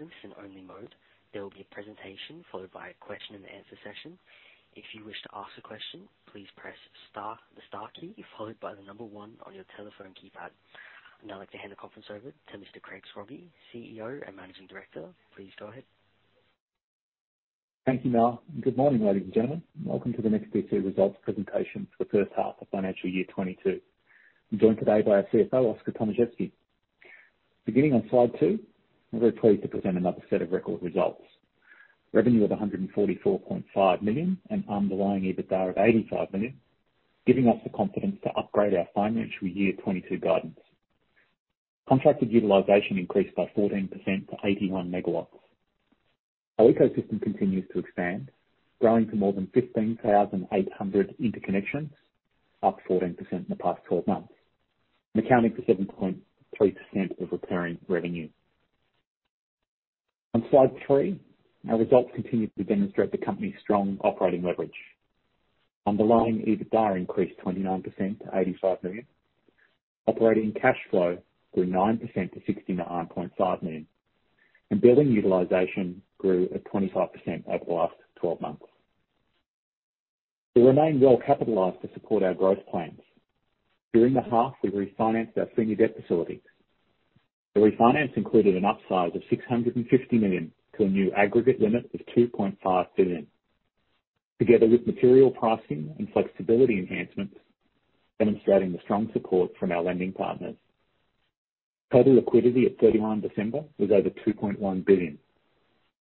Listen-only mode, there will be a presentation followed by a question and answer session. If you wish to ask a question, please press star, the star key followed by the number one on your telephone keypad. I'd now like to hand the conference over to Mr. Craig Scroggie, CEO and Managing Director. Please go ahead. Thank you, Noah. Good morning, ladies and gentlemen. Welcome to the NEXTDC results presentation for the first half of FY 2022. I'm joined today by our CFO, Oskar Tomaszewski. Beginning on slide two, we're very pleased to present another set of record results. Revenue of 144.5 million and underlying EBITDA of 85 million, giving us the confidence to upgrade our FY 2022 guidance. Contracted utilization increased by 14% to 81 MW. Our ecosystem continues to expand, growing to more than 15,800 interconnections, up 14% in the past 12 months, and accounting for 7.3% of recurring revenue. On slide three, our results continue to demonstrate the company's strong operating leverage. Underlying EBITDA increased 29% to 85 million. Operating cash flow grew 9% to 69.5 million, and building utilization grew at 25% over the last 12 months. We remain well-capitalized to support our growth plans. During the half, we refinanced our senior debt facilities. The refinance included an upsize of 650 million to a new aggregate limit of 2.5 billion, together with material pricing and flexibility enhancements, demonstrating the strong support from our lending partners. Total liquidity at December 31st was over 2.1 billion,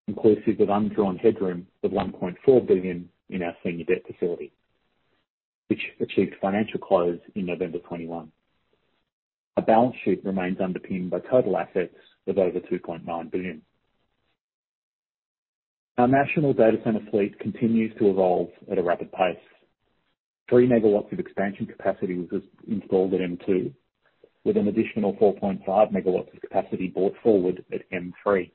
inclusive of undrawn headroom of 1.4 billion in our senior debt facility, which achieved financial close in November 2021. Our balance sheet remains underpinned by total assets of over 2.9 billion. Our national data center fleet continues to evolve at a rapid pace. 3 MW of expansion capacity was installed at M2, with an additional 4.5 MW of capacity brought forward at M3.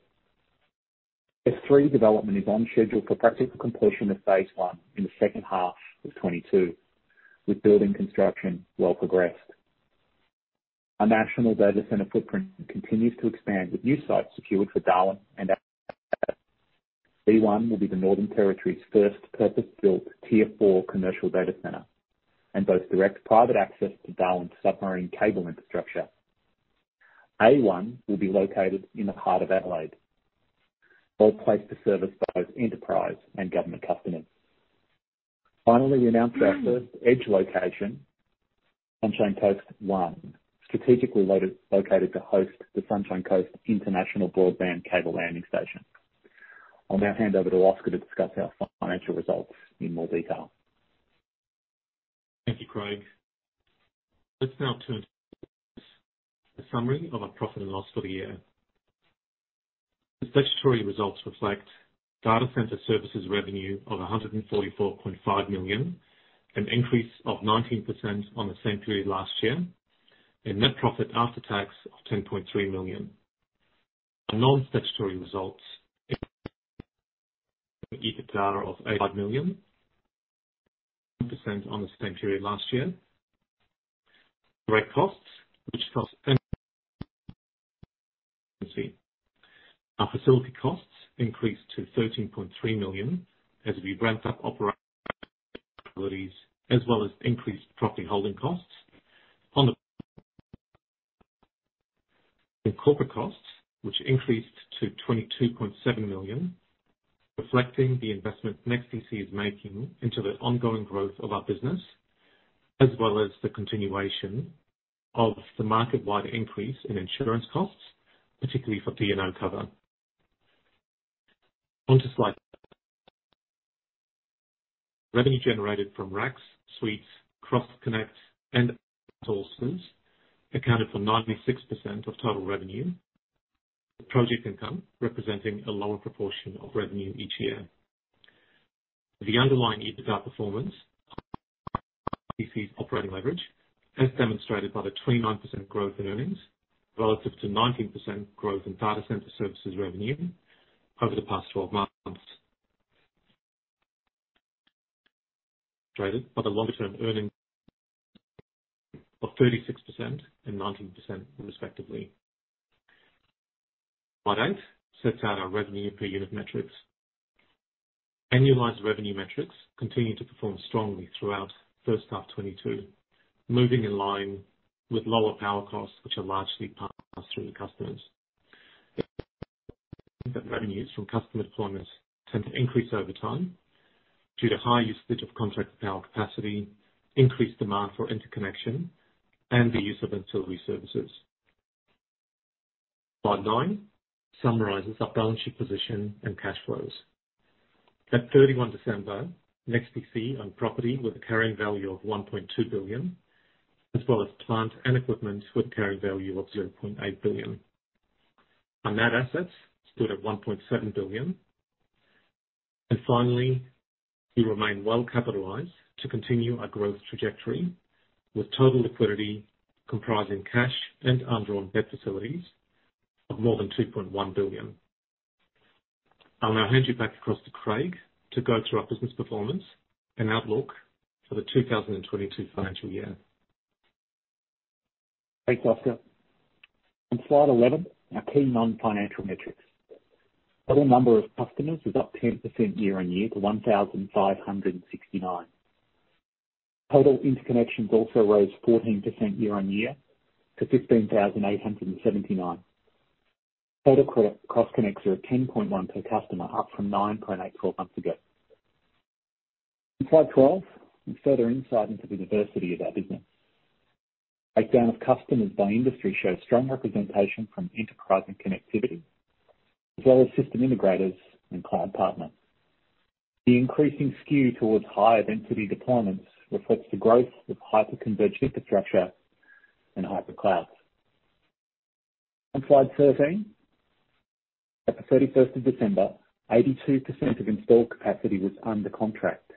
S3 development is on schedule for practical completion of phase one in the second half of 2022, with building construction well progressed. Our national data center footprint continues to expand with new sites secured for Darwin and Adelaide. D1 will be the Northern Territory's first purpose-built Tier IV commercial data center and boasts direct private access to Darwin's submarine cable infrastructure. A1 will be located in the heart of Adelaide, well-placed to service both enterprise and government customers. Finally, we announced our first edge location, Sunshine Coast 1, strategically located to host the Sunshine Coast International Broadband Cable Landing Station. I'll now hand over to Oskar to discuss our financial results in more detail. Thank you, Craig. Let's now turn to a summary of our profit and loss for the year. The statutory results reflect data center services revenue of 144.5 million, an increase of 19% on the same period last year, and net profit after tax of 10.3 million. Our non-statutory results, EBITDA of 85 million, percent on the same period last year. Direct costs, which consist of our facility costs increased to 13.3 million as we ramped up as well as increased property holding costs on the. Indirect corporate costs, which increased to 22.7 million, reflecting the investment NEXTDC is making into the ongoing growth of our business, as well as the continuation of the market-wide increase in insurance costs, particularly for D&O cover. On to slide. Revenue generated from racks, suites, cross-connects accounted for 96% of total revenue. Project income, representing a lower proportion of revenue each year. The underlying EBITDA performance demonstrates NEXTDC's operating leverage, as demonstrated by the 29% growth in earnings relative to 19% growth in data center services revenue over the past 12 months, trailing the longer-term earnings of 36% and 19% respectively. Slide eight sets out our revenue per unit metrics. Annualized revenue metrics continue to perform strongly throughout the first half of 2022, moving in line with lower power costs, which are largely passed through to customers. Revenues from customer deployments tend to increase over time due to high usage of contract power capacity, increased demand for interconnection, and the use of ancillary services. Slide nine summarizes our balance sheet position and cash flows. At December 31, NEXTDC owned property with a carrying value of 1.2 billion, as well as plant and equipment with a carrying value of 0.8 billion. Our net assets stood at 1.7 billion. Finally, we remain well-capitalized to continue our growth trajectory, with total liquidity comprising cash and undrawn debt facilities of more than 2.1 billion. I'll now hand you back across to Craig to go through our business performance and outlook for the 2022 financial year. Thanks, Oskar. On slide 11, our key non-financial metrics. Total number of customers was up 10% year-over-year to 1,569. Total interconnections also rose 14% year-over-year to 15,879. Total cross-connects are at 10.1 per customer, up from 9.8 four months ago. On slide 12, some further insight into the diversity of our business. Breakdown of customers by industry shows strong representation from enterprise and connectivity, as well as system integrators and cloud partners. The increasing skew towards high-density deployments reflects the growth of hyperconverged infrastructure and hyper clouds. On slide 13, at December 31, 82% of installed capacity was under contract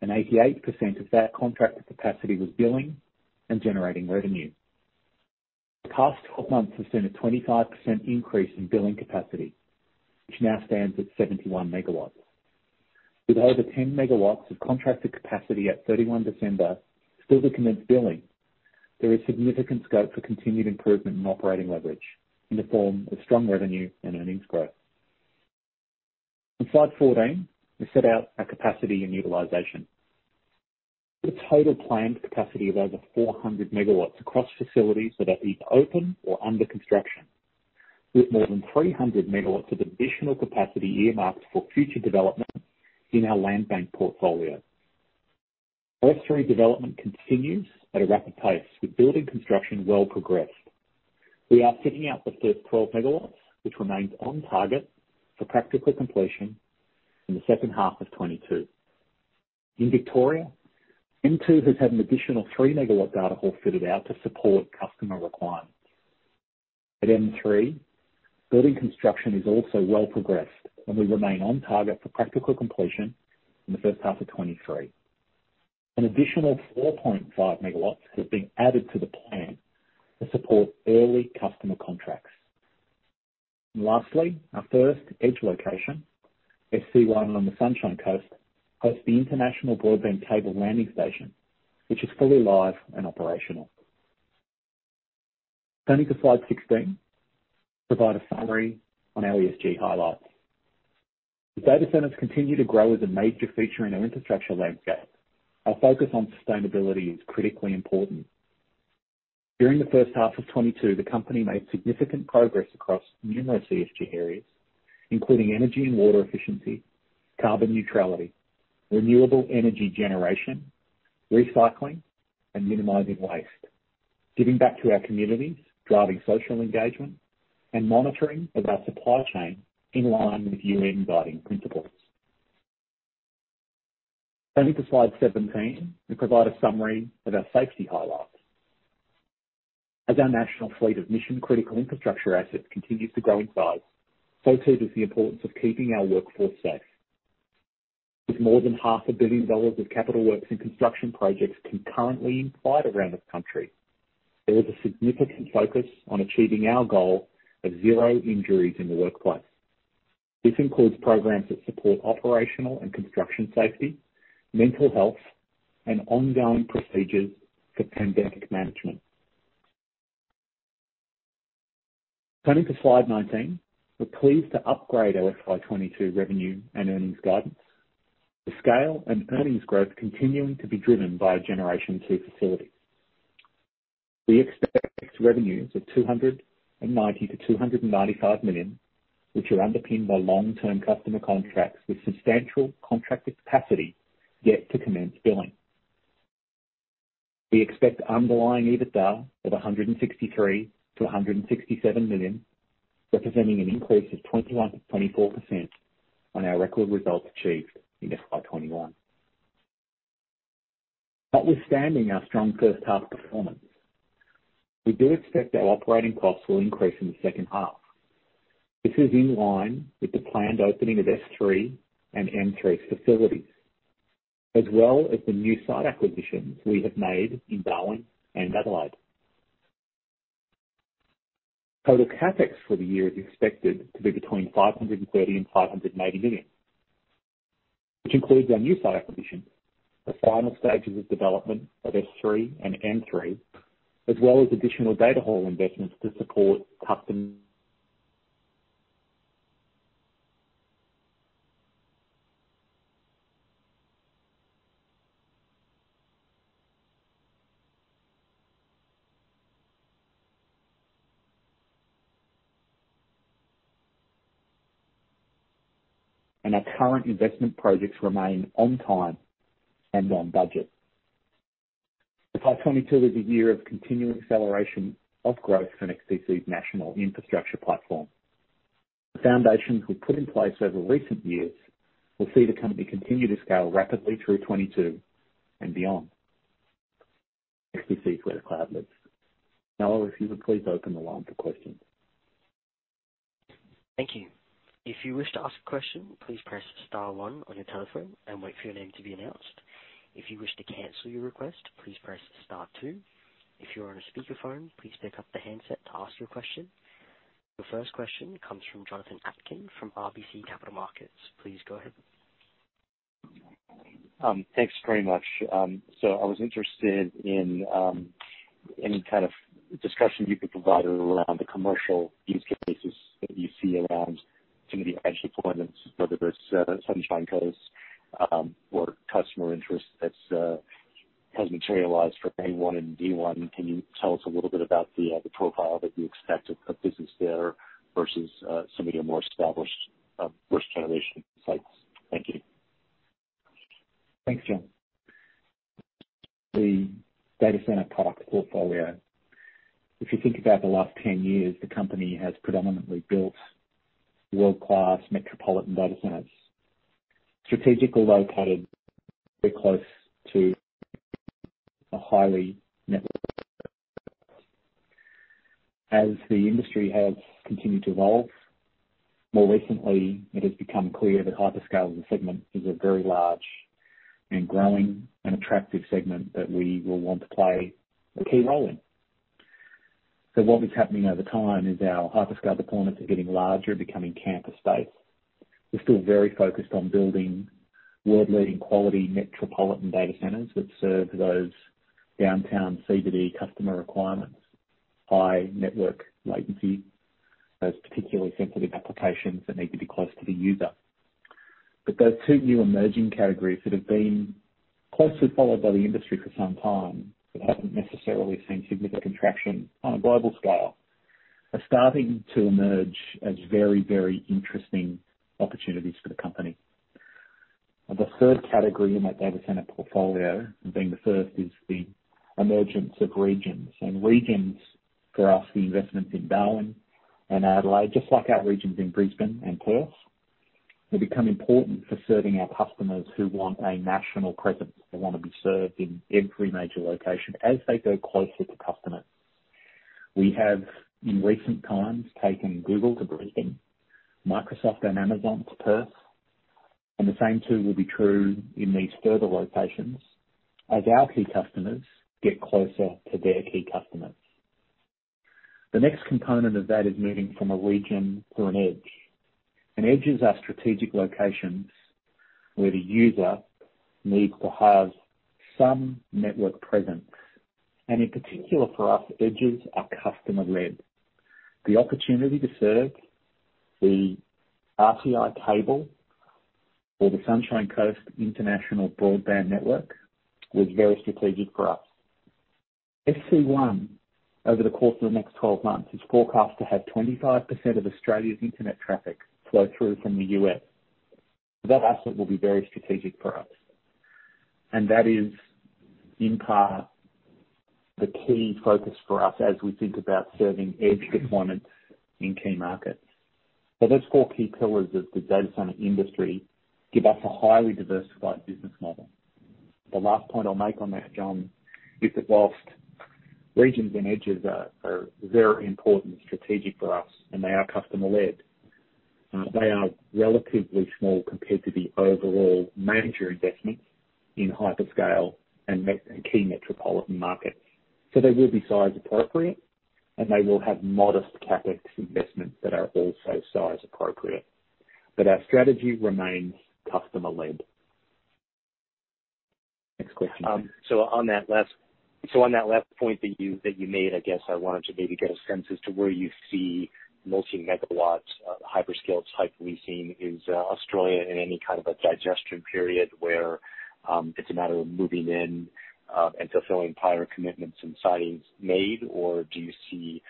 and 88% of that contracted capacity was billing and generating revenue. The past 12 months have seen a 25% increase in billing capacity, which now stands at 71 MW. With over 10 MW of contracted capacity at 31 December still to commence billing, there is significant scope for continued improvement in operating leverage in the form of strong revenue and earnings growth. On slide 14, we set out our capacity and utilization. With a total planned capacity of over 400 MW across facilities that are either open or under construction. With more than 300 MW of additional capacity earmarked for future development in our land bank portfolio. S3 development continues at a rapid pace with building construction well progressed. We are fitting out the first 12 MW, which remains on target for practical completion in the second half of 2022. In Victoria, M2 has had an additional 3-MW data hall fitted out to support customer requirements. At M3, building construction is also well progressed, and we remain on target for practical completion in the first half of 2023. An additional 4.5 MW have been added to the plan to support early customer contracts. Lastly, our first edge location, SC1 on the Sunshine Coast, hosts the International Broadband Cable Landing Station, which is fully live and operational. Turning to slide 16, provide a summary on our ESG highlights. As data centers continue to grow as a major feature in our infrastructure landscape, our focus on sustainability is critically important. During the first half of 2022, the company made significant progress across numerous ESG areas, including energy and water efficiency, carbon neutrality, renewable energy generation, recycling and minimizing waste, giving back to our communities, driving social engagement, and monitoring of our supply chain in line with UN Guiding Principles. Turning to slide 17, we provide a summary of our safety highlights. As our national fleet of mission-critical infrastructure assets continues to grow in size, so too does the importance of keeping our workforce safe. With more than 500,000 dollars of capital works and construction projects concurrently in flight around the country, there is a significant focus on achieving our goal of zero injuries in the workplace. This includes programs that support operational and construction safety, mental health, and ongoing procedures for pandemic management. Turning to slide 19. We're pleased to upgrade our FY 2022 revenue and earnings guidance. The scale and earnings growth continuing to be driven by our generation two facilities. We expect revenues of 290 million-295 million, which are underpinned by long-term customer contracts with substantial contracted capacity yet to commence billing. We expect underlying EBITDA of 163 million-167 million, representing an increase of 21%-24% on our record results achieved in FY 2021. Notwithstanding our strong first half performance, we do expect our operating costs will increase in the second half. This is in line with the planned opening of S3 and M3 facilities, as well as the new site acquisitions we have made in Darwin and Adelaide. Total CapEx for the year is expected to be between 530 million and 580 million, which includes our new site acquisitions, the final stages of development of S3 and M3, as well as additional data hall investments to support custom. Our current investment projects remain on time and on budget. FY 2022 is a year of continuing acceleration of growth for NEXTDC's national infrastructure platform. The foundations we've put in place over recent years will see the company continue to scale rapidly through 2022 and beyond. NEXTDC's where the cloud lives. Now, if you would please open the line for questions. Thank you. If you wish to ask a question, please press star one on your telephone and wait for your name to be announced. If you wish to cancel your request, please press star two. If you're on a speakerphone, please pick up the handset to ask your question. The first question comes from Jonathan Atkin from RBC Capital Markets. Please go ahead. Thanks very much. I was interested in any kind of discussion you could provide around the commercial use cases that you see around some of the edge deployments, whether there's Sunshine Coast or customer interest that has materialized for A1 and D1. Can you tell us a little bit about the profile that you expect of business there versus some of your more established first generation sites? Thank you. Thanks, John. The data center product portfolio, if you think about the last 10 years, the company has predominantly built world-class metropolitan data centers, strategically located close to a highly networked. As the industry has continued to evolve, more recently it has become clear that hyperscale as a segment is a very large and growing and attractive segment that we will want to play a key role in. What is happening over time is our hyperscale deployments are getting larger and becoming campus space. We're still very focused on building world-leading quality metropolitan data centers which serve those downtown CBD customer requirements. High network latency. Those particularly sensitive applications that need to be close to the user. Those two new emerging categories that have been closely followed by the industry for some time, but haven't necessarily seen significant traction on a global scale, are starting to emerge as very, very interesting opportunities for the company. The third category in that data center portfolio, and being the first, is the emergence of regions. Regions, for us, the investments in Darwin and Adelaide, just like our regions in Brisbane and Perth, have become important for serving our customers who want a national presence. They wanna be served in every major location as they go closer to customers. We have, in recent times, taken Google to Brisbane, Microsoft and Amazon to Perth, and the same too will be true in these further locations as our key customers get closer to their key customers. The next component of that is moving from a region to an edge. Edges are strategic locations where the user needs to have some network presence. In particular, for us, edges are customer-led. The opportunity to serve the SUBCO cable or the Sunshine Coast International Broadband Network was very strategic for us. SC1, over the course of the next 12 months, is forecast to have 25% of Australia's internet traffic flow through from the U.S. That asset will be very strategic for us, and that is in part the key focus for us as we think about serving edge deployments in key markets. Those four key pillars of the data center industry give us a highly diversified business model. The last point I'll make on that, John, is that while regions and edges are very important strategic for us, and they are customer-led, they are relatively small compared to the overall major investments in hyperscale and key metropolitan markets. They will be size appropriate, and they will have modest CapEx investments that are also size appropriate. Our strategy remains customer-led. Next question. On that last point that you made, I guess I wanted to maybe get a sense as to where you see multi-megawatts hyperscale type leasing. Is Australia in any kind of a digestion period where it's a matter of moving in and fulfilling prior commitments and signings made? Or do you see,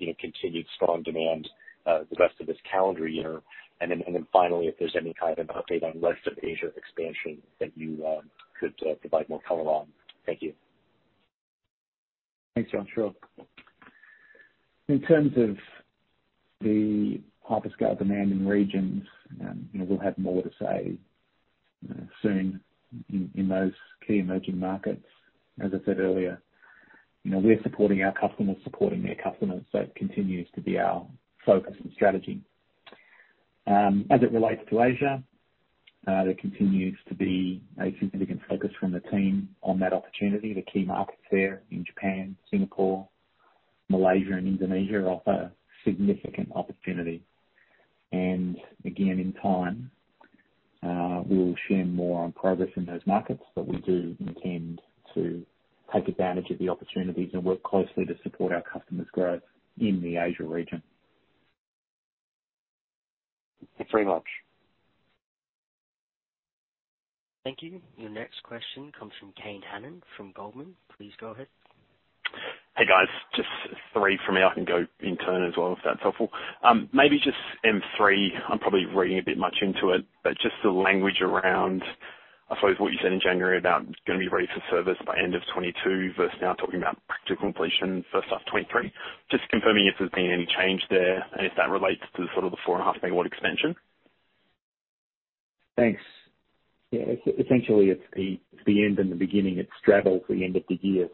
you know, continued strong demand the rest of this calendar year? Finally, if there's any kind of an update on rest of Asia expansion that you could provide more color on. Thank you. Thanks, John. Sure. In terms of the hyperscale demand in regions, you know, we'll have more to say soon in those key emerging markets. As I said earlier, you know, we're supporting our customers supporting their customers. It continues to be our focus and strategy. As it relates to Asia, there continues to be a significant focus from the team on that opportunity. The key markets there in Japan, Singapore, Malaysia and Indonesia offer significant opportunity. Again, in time, we'll share more on progress in those markets. We do intend to take advantage of the opportunities and work closely to support our customers' growth in the Asia region. Thanks very much. Thank you. Your next question comes from Kane Hannan from Goldman. Please go ahead. Hey, guys. Just three from me. I can go in turn as well if that's helpful. Maybe just my three. I'm probably reading a bit much into it, but just the language around, I suppose, what you said in January about gonna be ready for service by end of 2022 versus now talking about practical completion first half 2023. Just confirming if there's been any change there and if that relates to sort of the 4.5 MW expansion. Thanks. Yeah, essentially it's the end and the beginning. It straddles the end of the year.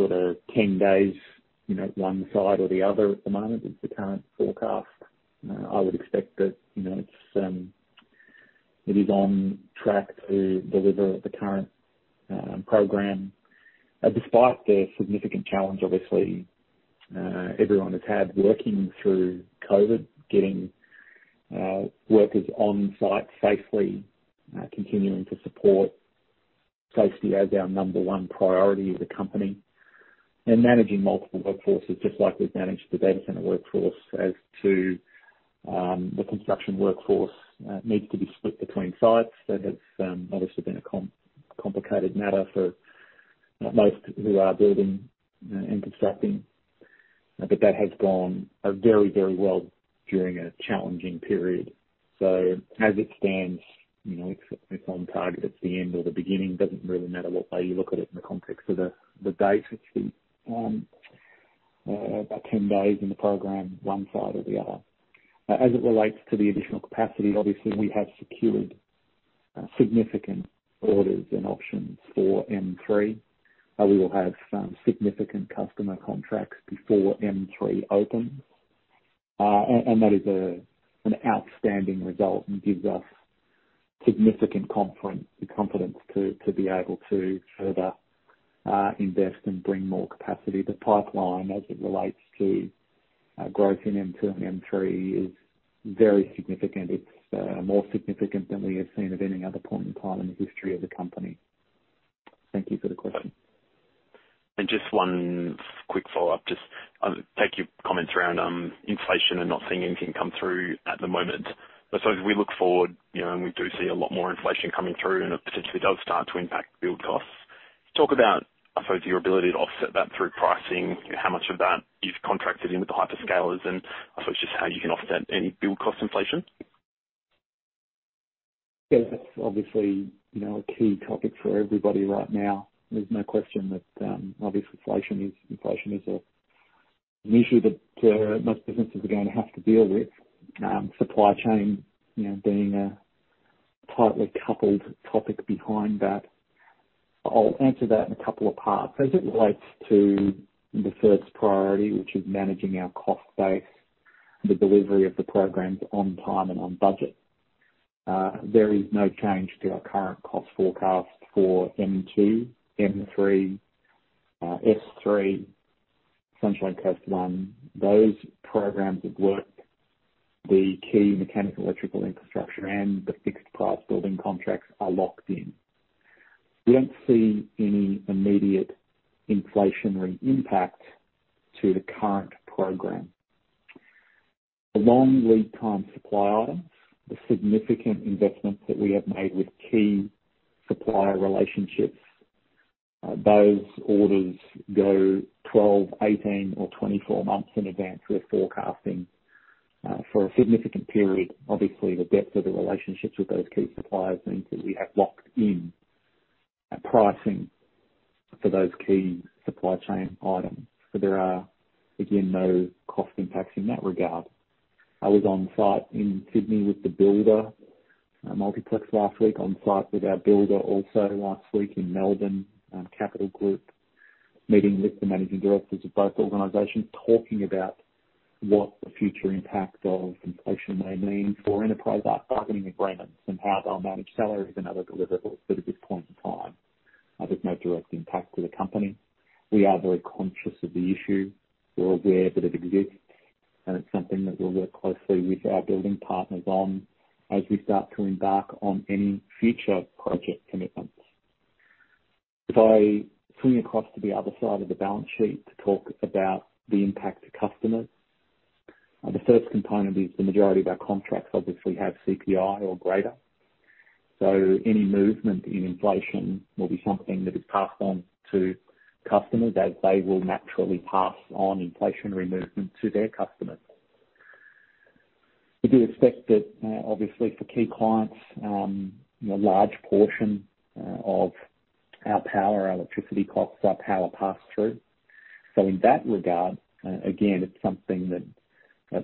Sort of 10 days, you know, one side or the other at the moment is the current forecast. I would expect that, you know, it is on track to deliver the current program. Despite the significant challenge, obviously, everyone has had working through COVID, getting workers on site safely, continuing to support safety as our number one priority as a company and managing multiple workforces just like we've managed the data center workforce as to the construction workforce needs to be split between sites. That has obviously been a complicated matter for most who are building and constructing. That has gone very well during a challenging period. As it stands, you know, it's on target. It's the end or the beginning, doesn't really matter what way you look at it in the context of the date. It's been about 10 days in the program, one side or the other. As it relates to the additional capacity, obviously we have secured significant orders and options for M3. We will have some significant customer contracts before M3 opens. And that is an outstanding result and gives us significant confidence to be able to further invest and bring more capacity. The pipeline as it relates to growth in M2 and M3 is very significant. It's more significant than we have seen at any other point in time in the history of the company. Thank you for the question. Just one quick follow-up. Just take your comments around inflation and not seeing anything come through at the moment. I suppose we look forward, you know, and we do see a lot more inflation coming through, and it potentially does start to impact build costs. Talk about, I suppose, your ability to offset that through pricing, how much of that you've contracted in with the hyperscalers, and I suppose just how you can offset any build cost inflation. Yeah, that's obviously, you know, a key topic for everybody right now. There's no question that inflation is an issue that most businesses are going to have to deal with. Supply chain, you know, being a tightly coupled topic behind that. I'll answer that in a couple of parts. As it relates to the first priority, which is managing our cost base, the delivery of the programs on time and on budget. There is no change to our current cost forecast for M2, M3, S3, Sunshine Coast One. Those programs have worked. The key mechanical electrical infrastructure and the fixed price building contracts are locked in. We don't see any immediate inflationary impact to the current program. The long lead time supply items, the significant investments that we have made with key supplier relationships, those orders go 12, 18 or 24 months in advance. We're forecasting for a significant period. Obviously, the depth of the relationships with those key suppliers means that we have locked in pricing for those key supply chain items. There are, again, no cost impacts in that regard. I was on site in Sydney with the builder, Multiplex, last week, on site with our builder also last week in Melbourne, Capital Construction Group, meeting with the managing directors of both organizations, talking about what the future impact of inflation may mean for enterprise, our bargaining agreements and how they'll manage salaries and other deliverables at this point in time. There's no direct impact to the company. We are very conscious of the issue. We're aware that it exists, and it's something that we'll work closely with our building partners on as we start to embark on any future project commitments. If I swing across to the other side of the balance sheet to talk about the impact to customers, the first component is the majority of our contracts obviously have CPI or greater. So any movement in inflation will be something that is passed on to customers as they will naturally pass on inflationary movement to their customers. We do expect that, obviously for key clients, you know, large portion of our power, our electricity costs are power pass through. So in that regard, again, it's something that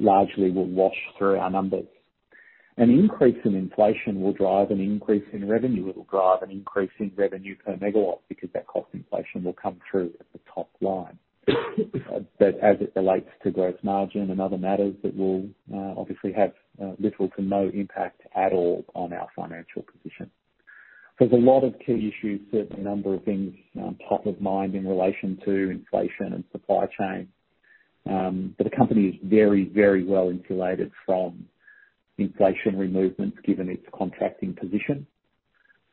largely will wash through our numbers. An increase in inflation will drive an increase in revenue. It will drive an increase in revenue per megawatt because that cost inflation will come through at the top line. As it relates to gross margin and other matters, that will obviously have little to no impact at all on our financial position. There's a lot of key issues, certainly a number of things, top of mind in relation to inflation and supply chain. The company is very, very well insulated from inflationary movements given its contracting position,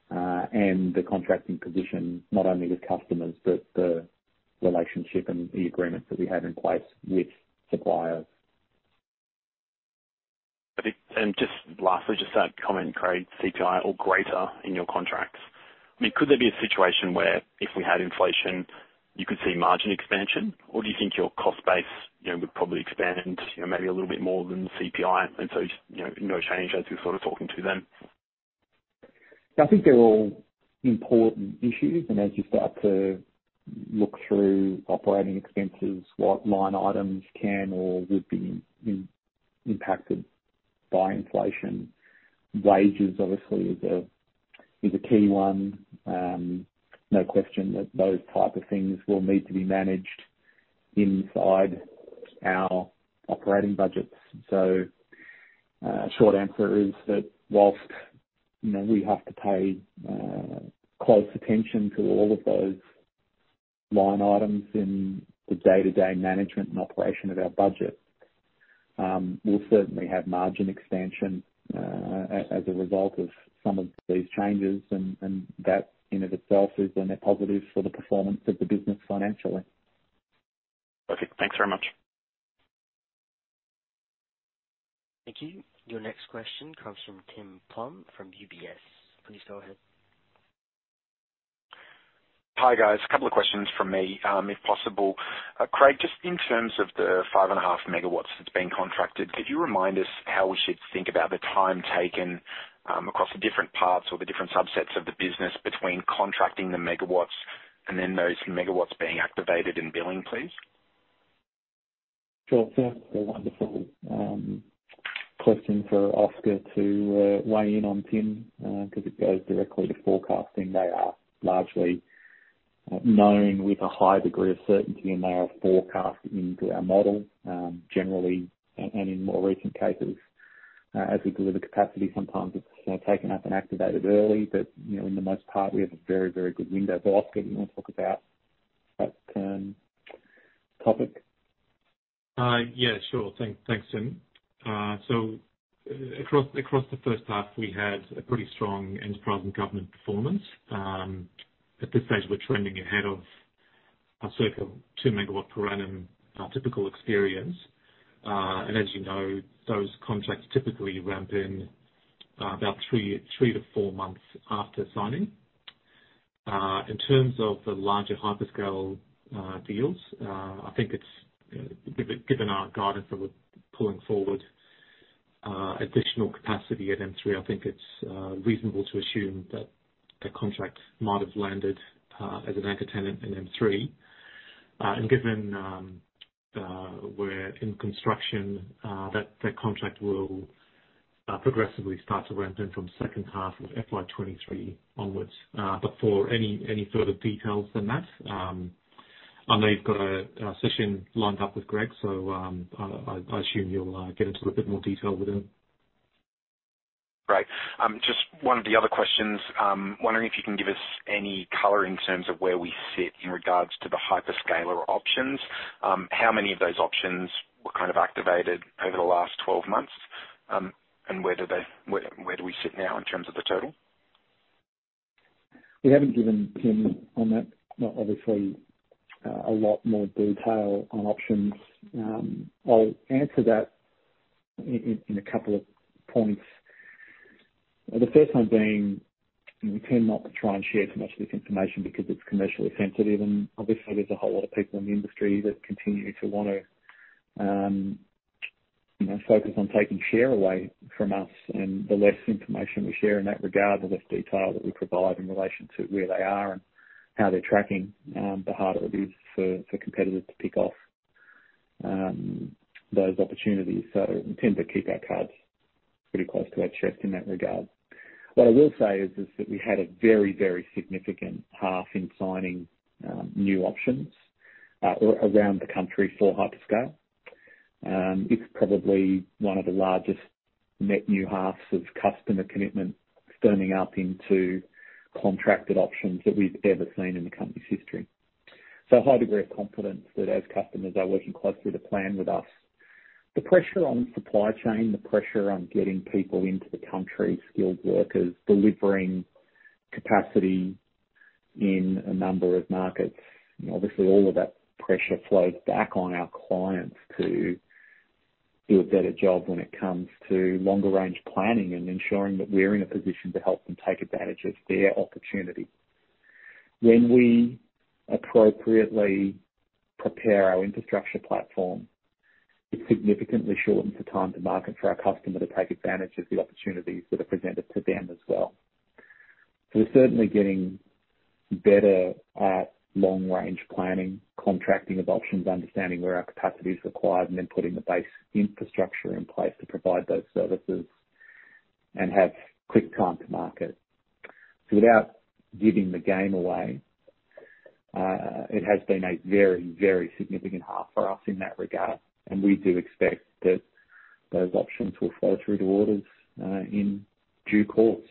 and the contracting position not only with customers, but the relationship and the agreements that we have in place with suppliers. Just lastly, just that comment, greater CPI or greater in your contracts. I mean, could there be a situation where if we had inflation, you could see margin expansion? Or do you think your cost base, you know, would probably expand, you know, maybe a little bit more than CPI and so, you know, no change as you're sort of talking to them? I think they're all important issues, and as you start to look through operating expenses, what line items can or would be impacted by inflation. Wages obviously is a key one. No question that those type of things will need to be managed inside our operating budgets. Short answer is that while, you know, we have to pay close attention to all of those line items in the day-to-day management and operation of our budget, we'll certainly have margin expansion as a result of some of these changes, and that in and of itself is a net positive for the performance of the business financially. Perfect. Thanks very much. Thank you. Your next question comes from Tim Plumbe from UBS. Please go ahead. Hi, guys. A couple of questions from me, if possible. Craig, just in terms of the 5.5 MW that's been contracted, could you remind us how we should think about the time taken, across the different parts or the different subsets of the business between contracting the megawatts and then those megawatts being activated and billing, please? Sure. Wonderful question for Oskar to weigh in on, Tim, 'cause it goes directly to forecasting. They are largely known with a high degree of certainty, and they are forecast into our model, generally, and in more recent cases. As we deliver capacity, sometimes it's, you know, taken up and activated early, but, you know, in the most part, we have a very, very good window. Oskar, you wanna talk about that topic? Yeah, sure. Thanks, Tim. So across the first half, we had a pretty strong enterprise and government performance. At this stage, we're trending ahead of a circa 2 MW per annum typical experience. And as you know, those contracts typically ramp in about three to four months after signing. In terms of the larger hyperscale deals, Given our guidance that we're pulling forward additional capacity at M3, I think it's reasonable to assume that the contract might have landed as an anchor tenant in M3. And given we're in construction, that contract will progressively start to ramp in from second half of FY 2023 onwards. For any further details than that, I know you've got a session lined up with Greg, so I assume you'll get into a bit more detail with him. Great. Just one of the other questions, wondering if you can give us any color in terms of where we sit in regards to the hyperscaler options. How many of those options were kind of activated over the last 12 months? And where do we sit now in terms of the total? We haven't given Tim on that, not obviously, a lot more detail on options. I'll answer that in a couple of points. The first one being, we tend not to try and share too much of this information because it's commercially sensitive, and obviously there's a whole lot of people in the industry that continue to want to, you know, focus on taking share away from us, and the less information we share in that regard, the less detail that we provide in relation to where they are and how they're tracking, the harder it is for competitors to pick off those opportunities. So we tend to keep our cards pretty close to our chest in that regard. What I will say is that we had a very significant half in signing new options around the country for hyperscale. It's probably one of the largest net new halves of customer commitment firming up into contracted options that we've ever seen in the company's history. A high degree of confidence that as customers are working closely to plan with us. The pressure on supply chain, the pressure on getting people into the country, skilled workers, delivering capacity in a number of markets, and obviously all of that pressure flows back on our clients to do a better job when it comes to longer range planning and ensuring that we're in a position to help them take advantage of their opportunity. When we appropriately prepare our infrastructure platform, it significantly shortens the time to market for our customer to take advantage of the opportunities that are presented to them as well. We're certainly getting better at long range planning, contracting of options, understanding where our capacity is required, and then putting the base infrastructure in place to provide those services and have quick time to market. Without giving the game away, it has been a very, very significant half for us in that regard, and we do expect that those options will flow through to orders in due course.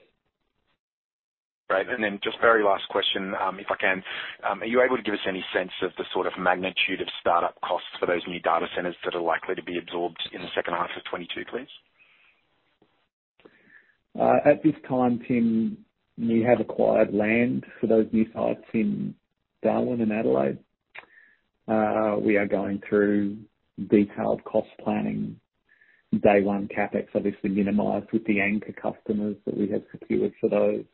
Great. Just very last question, if I can. Are you able to give us any sense of the sort of magnitude of startup costs for those new data centers that are likely to be absorbed in the second half of 2022, please? At this time, Tim, we have acquired land for those new sites in Darwin and Adelaide. We are going through detailed cost planning. Day one CapEx obviously minimized with the anchor customers that we have secured for those.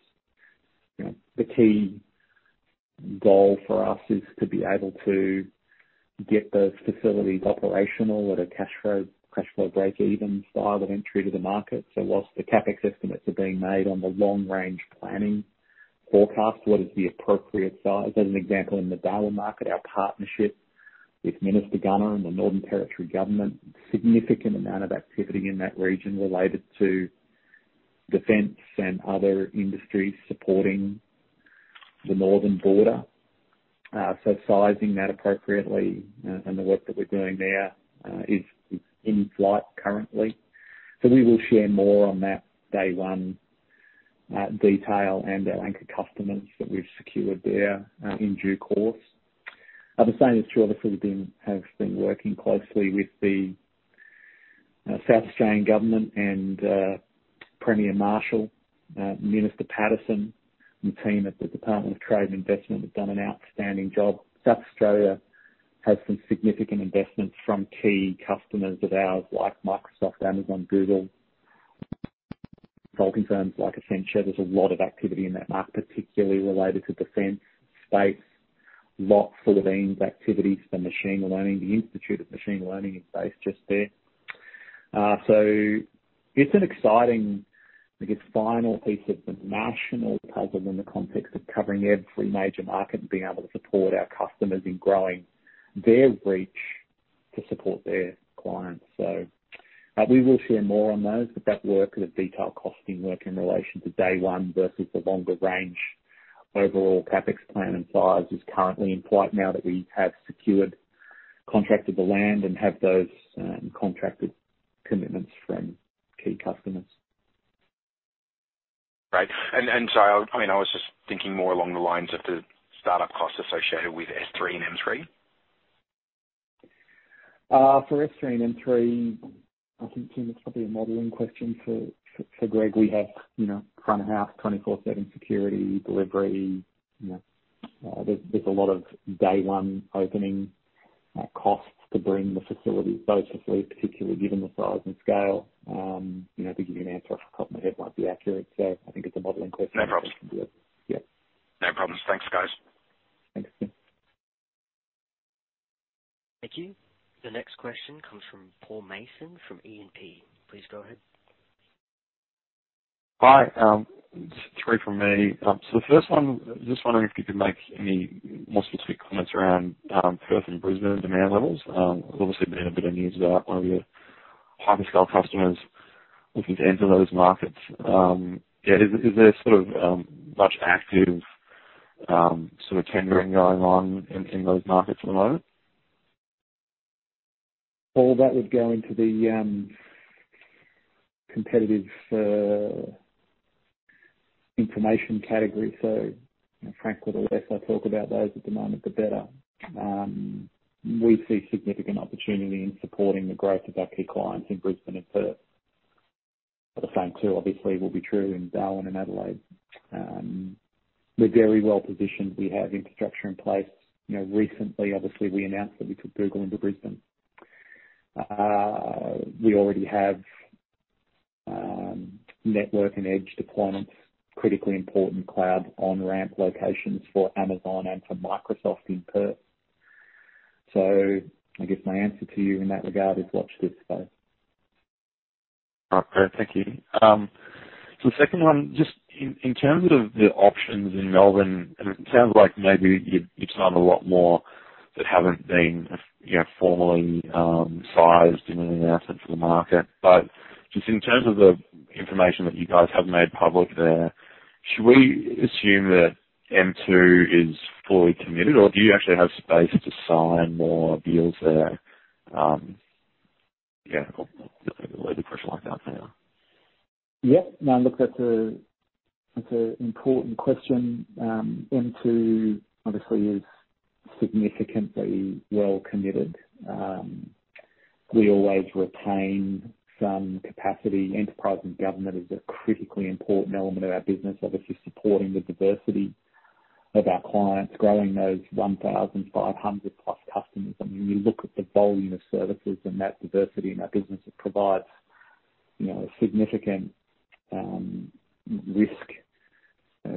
You know, the key goal for us is to be able to get those facilities operational at a cash flow breakeven style of entry to the market. Whilst the CapEx estimates are being made on the long range planning forecast, what is the appropriate size? As an example, in the Darwin market, our partnership with Minister Gunner and the Northern Territory Government, significant amount of activity in that region related to defense and other industries supporting the northern border. Sizing that appropriately and the work that we're doing there is in flight currently. We will share more on that day one detail and our anchor customers that we've secured there in due course. At the same time, as throughout, we have been working closely with the South Australian Government and Premier Marshall, Minister Patterson, and the team at the Department of Trade and Investment have done an outstanding job. South Australia has some significant investments from key customers of ours like Microsoft, Amazon, Google. Consulting firms like Accenture. There's a lot of activity in that market, particularly related to defense, space, lots of activities for machine learning. The Australian Institute for Machine Learning is based just there. It's an exciting, I guess, final piece of the national puzzle in the context of covering every major market and being able to support our customers in growing their reach to support their clients. We will share more on those, but that work is a detailed costing work in relation to day one versus the longer range overall CapEx plan and size is currently in flight now that we have secured contract of the land and have those, contracted commitments from key customers. Right. I mean, I was just thinking more along the lines of the startup costs associated with S3 and M3. For S3 and M3, I think, Tim, it's probably a modeling question for Craig. We have, you know, front of house, 24/7 security, delivery. You know, there's a lot of day one opening costs to bring the facility, both the fleet, particularly given the size and scale. You know, to give you an answer off the top of my head might be accurate. I think it's a modeling question. No problem. Yeah. No problems. Thanks, guys. Thanks. Thank you. The next question comes from Paul Mason from E&P. Please go ahead. Hi. Three from me. The first one, just wondering if you could make any more specific comments around Perth and Brisbane demand levels. There's obviously been a bit of news about one of your hyperscale customers looking to enter those markets. Yeah, is there sort of much active sort of tendering going on in those markets at the moment? All that would go into the competitive information category. Frankly, the less I talk about those at the moment, the better. We see significant opportunity in supporting the growth of our key clients in Brisbane and Perth. The same, too, obviously, will be true in Darwin and Adelaide. We're very well positioned. We have infrastructure in place. You know, recently, obviously, we announced that we took Google into Brisbane. We already have network and edge deployments, critically important cloud on-ramp locations for Amazon and for Microsoft in Perth. I guess my answer to you in that regard is watch this space. All right, great. Thank you. So the second one, just in terms of the options in Melbourne, and it sounds like maybe you've signed a lot more that haven't been, you know, formally sized and announced to the market. But just in terms of the information that you guys have made public there, should we assume that M2 is fully committed, or do you actually have space to sign more deals there? Yeah, I'll leave the question like that for now. Yeah. No, look, that's an important question. M2 obviously is significantly well committed. We always retain some capacity. Enterprise and government is a critically important element of our business, obviously supporting the diversity of our clients, growing those 1,500+ customers. I mean, when you look at the volume of services and that diversity in our business, it provides, you know, a significant risk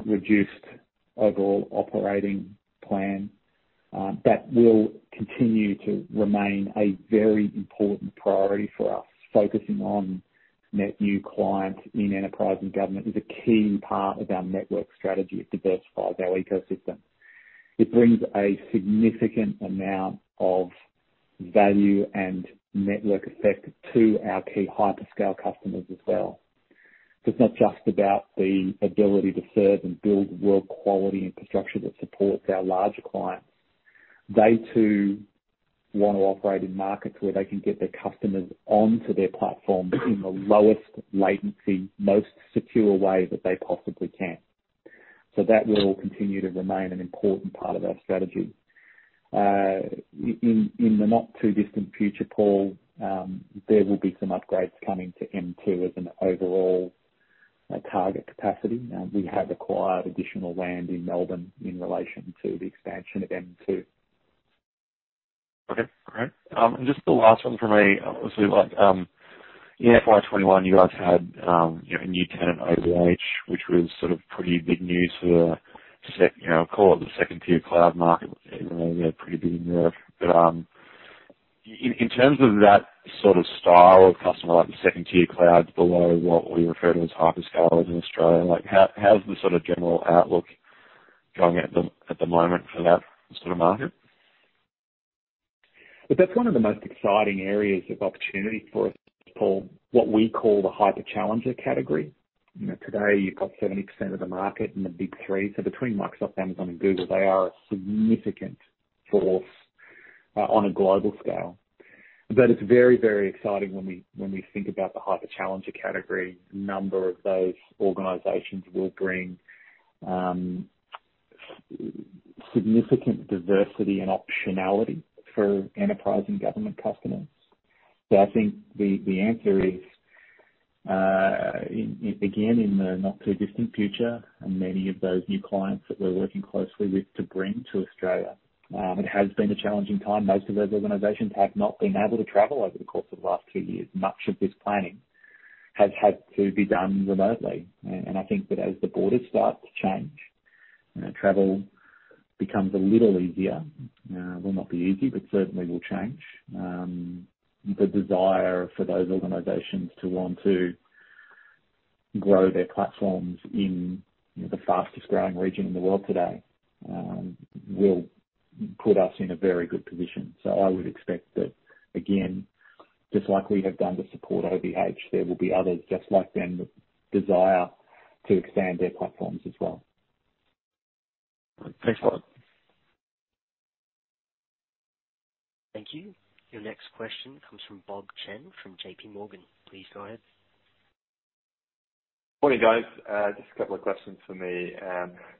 reduced overall operating plan. That will continue to remain a very important priority for us. Focusing on net new clients in enterprise and government is a key part of our network strategy. It diversifies our ecosystem. It brings a significant amount of value and network effect to our key hyperscale customers as well. So it's not just about the ability to serve and build world-quality infrastructure that supports our larger clients. They too want to operate in markets where they can get their customers onto their platform in the lowest latency, most secure way that they possibly can. That will continue to remain an important part of our strategy. In the not too distant future, Paul, there will be some upgrades coming to M2 as an overall target capacity. We have acquired additional land in Melbourne in relation to the expansion of M2. Okay, great. Just the last one from me, obviously like, in FY 2021, you guys had, you know, a new tenant, OVH, which was sort of pretty big news for you know, call it the second-tier cloud market. They had a pretty big deal. In terms of that sort of style of customer, like the second tier cloud below what we refer to as hyperscalers in Australia, like how's the sort of general outlook going at the moment for that sort of market? Well, that's one of the most exciting areas of opportunity for us, Paul. What we call the hyper challenger category. You know, today you've got 70% of the market in the big three. Between Microsoft, Amazon and Google, they are a significant force on a global scale. It's very, very exciting when we think about the hyper challenger category. A number of those organizations will bring significant diversity and optionality for enterprise and government customers. I think the answer is it began in the not too distant future, and many of those new clients that we're working closely with to bring to Australia. It has been a challenging time. Most of those organizations have not been able to travel over the course of the last two years. Much of this planning has had to be done remotely. I think that as the borders start to change, you know, travel becomes a little easier. It will not be easy, but certainly will change. The desire for those organizations to want to grow their platforms in the fastest growing region in the world today will put us in a very good position. I would expect that again, just like we have done to support OVH, there will be others just like them desire to expand their platforms as well. Thanks, Craig. Thank you. Your next question comes from Bob Chen from JPMorgan. Please go ahead. Morning, guys. Just a couple of questions for me.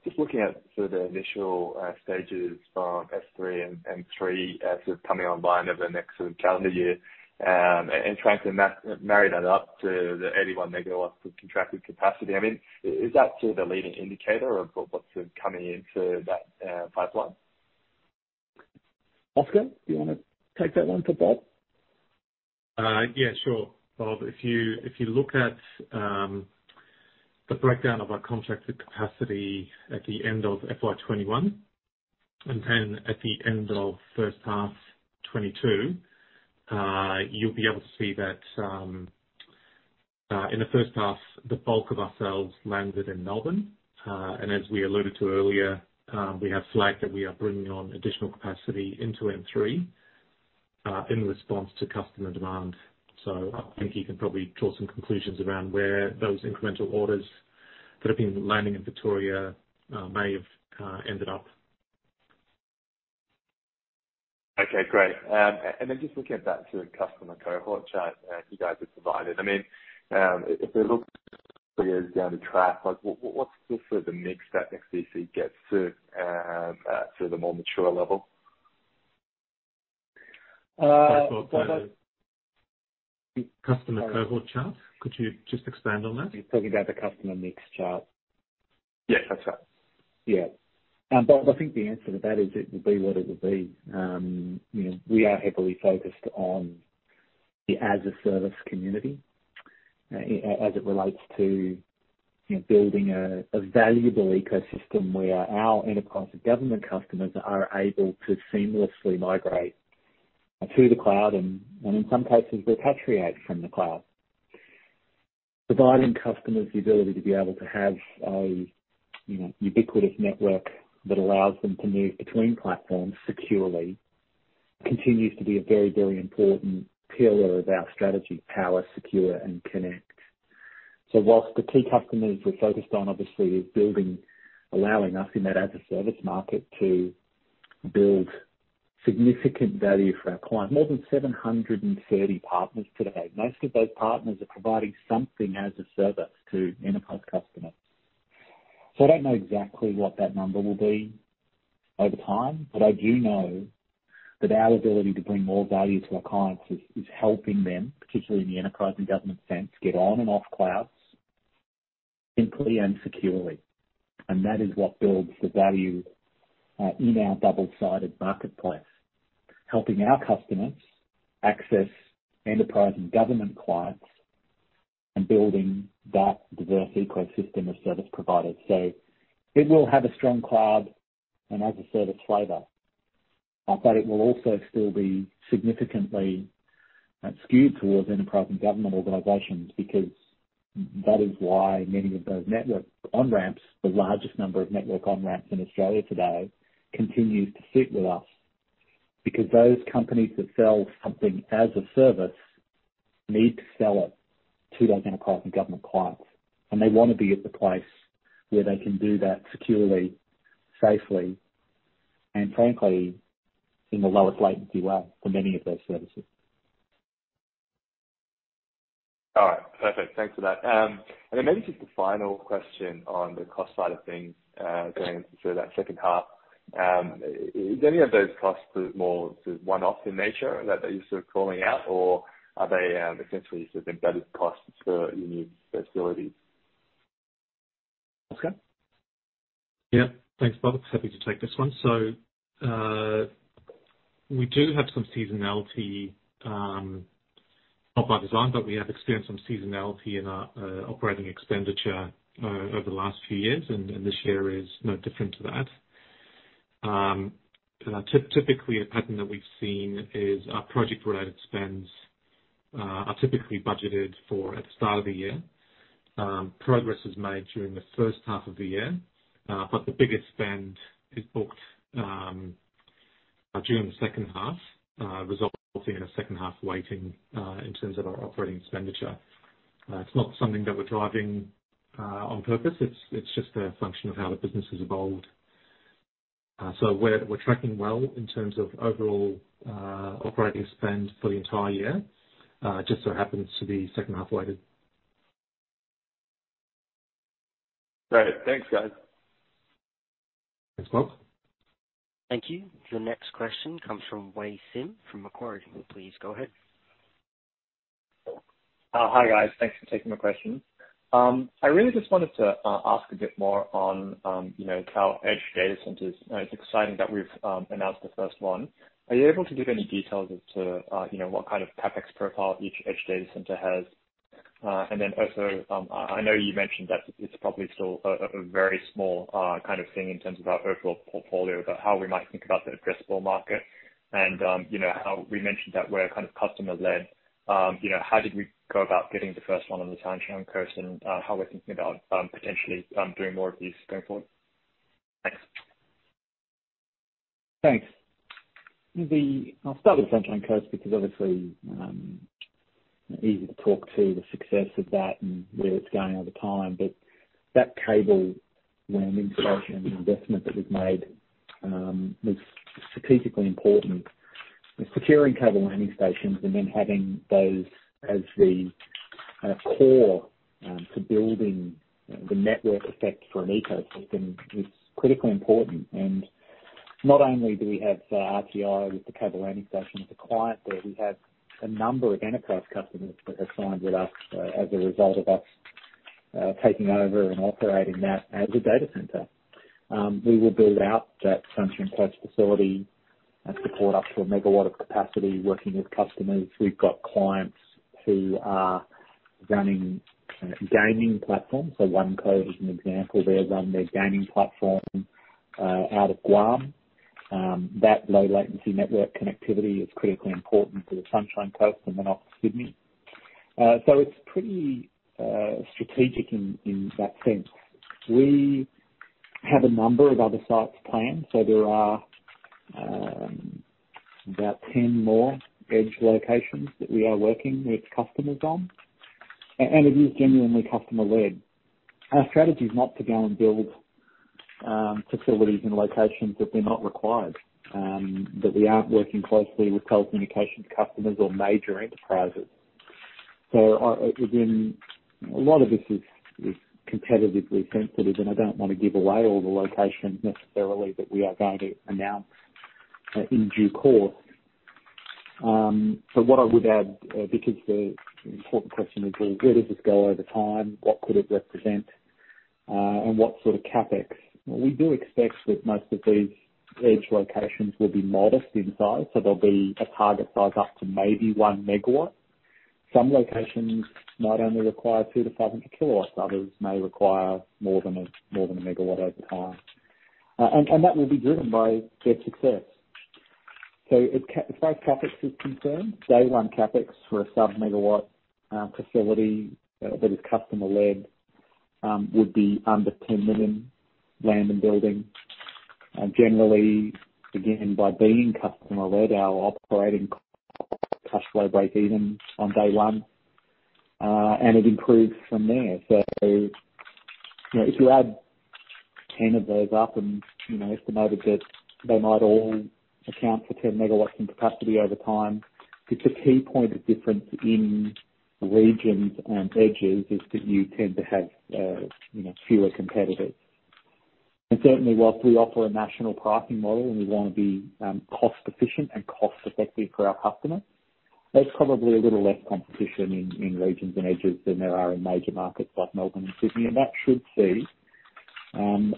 Just looking at sort of the initial stages of S3 and M3 as they're coming online over the next sort of calendar year, and trying to marry that up to the 81 MW of contracted capacity. I mean, is that sort of the leading indicator of what's coming into that pipeline? Oskar, do you wanna take that one for Bob? Yeah, sure. Bob, if you look at the breakdown of our contracted capacity at the end of FY 2021, and then at the end of first half 2022, you'll be able to see that in the first half, the bulk of our sales landed in Melbourne. As we alluded to earlier, we have flagged that we are bringing on additional capacity into M3 in response to customer demand. I think you can probably draw some conclusions around where those incremental orders that have been landing in Victoria may have ended up. Okay, great. Then just looking at that sort of customer cohort chart that you guys have provided. I mean, if we look three years down the track, like what's the sort of mix that NEXTDC gets to the more mature level? Bob, Customer cohort chart. Could you just expand on that? He's talking about the customer mix chart. Yes. That's right. Yeah. Bob, I think the answer to that is it will be what it will be. You know, we are heavily focused on the as a service community, as it relates to, you know, building a valuable ecosystem where our enterprise and government customers are able to seamlessly migrate through the cloud and in some cases repatriate from the cloud. Providing customers the ability to be able to have a, you know, ubiquitous network that allows them to move between platforms securely continues to be a very, very important pillar of our strategy, Power, Secure and Connect. Whilst the key customers we're focused on obviously is building, allowing us in that as a service market to build significant value for our clients. More than 730 partners today, most of those partners are providing something as a service to enterprise customers. I don't know exactly what that number will be over time, but I do know that our ability to bring more value to our clients is helping them, particularly in the enterprise and government sense, get on and off clouds simply and securely. That is what builds the value in our double-sided marketplace, helping our customers access enterprise and government clients and building that diverse ecosystem of service providers. It will have a strong cloud and as a service flavor, but it will also still be significantly skewed towards enterprise and government organizations. Because that is why many of those network on-ramps, the largest number of network on-ramps in Australia today, continues to sit with us. Because those companies that sell something as a service need to sell it to those enterprise and government clients. They want to be at the place where they can do that securely, safely, and frankly, in the lowest latency way for many of those services. All right. Perfect. Thanks for that. Maybe just a final question on the cost side of things, going through that second half. Is any of those costs more one-off in nature that you're sort of calling out, or are they, essentially sort of embedded costs for your new facilities? Oskar? Yeah. Thanks, Bob. Happy to take this one. We do have some seasonality. Not by design, but we have experienced some seasonality in our operating expenditure over the last few years, and this year is no different to that. Typically, a pattern that we've seen is our project-related spends are typically budgeted for at the start of the year. Progress is made during the first half of the year, but the biggest spend is booked during the second half, resulting in a second half weighting in terms of our operating expenditure. It's not something that we're driving on purpose, it's just a function of how the business has evolved. So we're tracking well in terms of overall operating spend for the entire year. It just so happens to be second half weighted. Great. Thanks, guys. Thanks, Bob. Thank you. Your next question comes from Wei Sim, from Macquarie. Please go ahead. Hi, guys. Thanks for taking my question. I really just wanted to ask a bit more on, you know, how edge data centers. You know, it's exciting that we've announced the first one. Are you able to give any details as to, you know, what kind of CapEx profile each edge data center has? And then also, I know you mentioned that it's probably still a very small kind of thing in terms of our overall portfolio, but how we might think about the addressable market and, you know, how we mentioned that we're kind of customer-led. You know, how did we go about getting the first one on the Sunshine Coast, and how we're thinking about potentially doing more of these going forward? Thanks. Thanks. I'll start with Sunshine Coast, because obviously, easy to talk about the success of that and where it's going over time. That cable landing station investment that we've made was strategically important. Securing cable landing stations and then having those as the kind of core to building the network effect for an ecosystem is critically important. Not only do we have SUBCO with the cable landing station as a client there, we have a number of enterprise customers that have signed with us as a result of us taking over and operating that as a data center. We will build out that Sunshine Coast facility and support up to 1 MW of capacity working with customers. We've got clients who are running gaming platforms. OneQode, as an example, they run their gaming platform out of Guam. That low latency network connectivity is critically important for the Sunshine Coast, and then off to Sydney. It's pretty strategic in that sense. We have a number of other sites planned, so there are about 10 more edge locations that we are working with customers on. It is genuinely customer-led. Our strategy is not to go and build facilities in locations that they're not required that we aren't working closely with telecommunications customers or major enterprises. Our, again, a lot of this is competitively sensitive, and I don't wanna give away all the locations necessarily that we are going to announce in due course. What I would add because the important question is, well, where does this go over time? What could it represent? What sort of CapEx? We do expect that most of these edge locations will be modest in size, so they'll be a target size up to maybe 1 MW. Some locations might only require 200kW to 500 kW. Others may require more than 1 MW over time. That will be driven by their success. As far as CapEx is concerned, day one CapEx for a sub-megawatt facility that is customer-led would be under 10 million land and building. Generally, again, by being customer-led, our operating cash flow break-even on day one, and it improves from there. You know, if you add 10 of those up and, you know, estimated that they might all account for 10 MW in capacity over time, it's a key point of difference in regions and edges, is that you tend to have, you know, fewer competitors. Certainly, while we offer a national pricing model and we wanna be, cost efficient and cost effective for our customers, there's probably a little less competition in regions and edges than there are in major markets like Melbourne and Sydney, and that should see,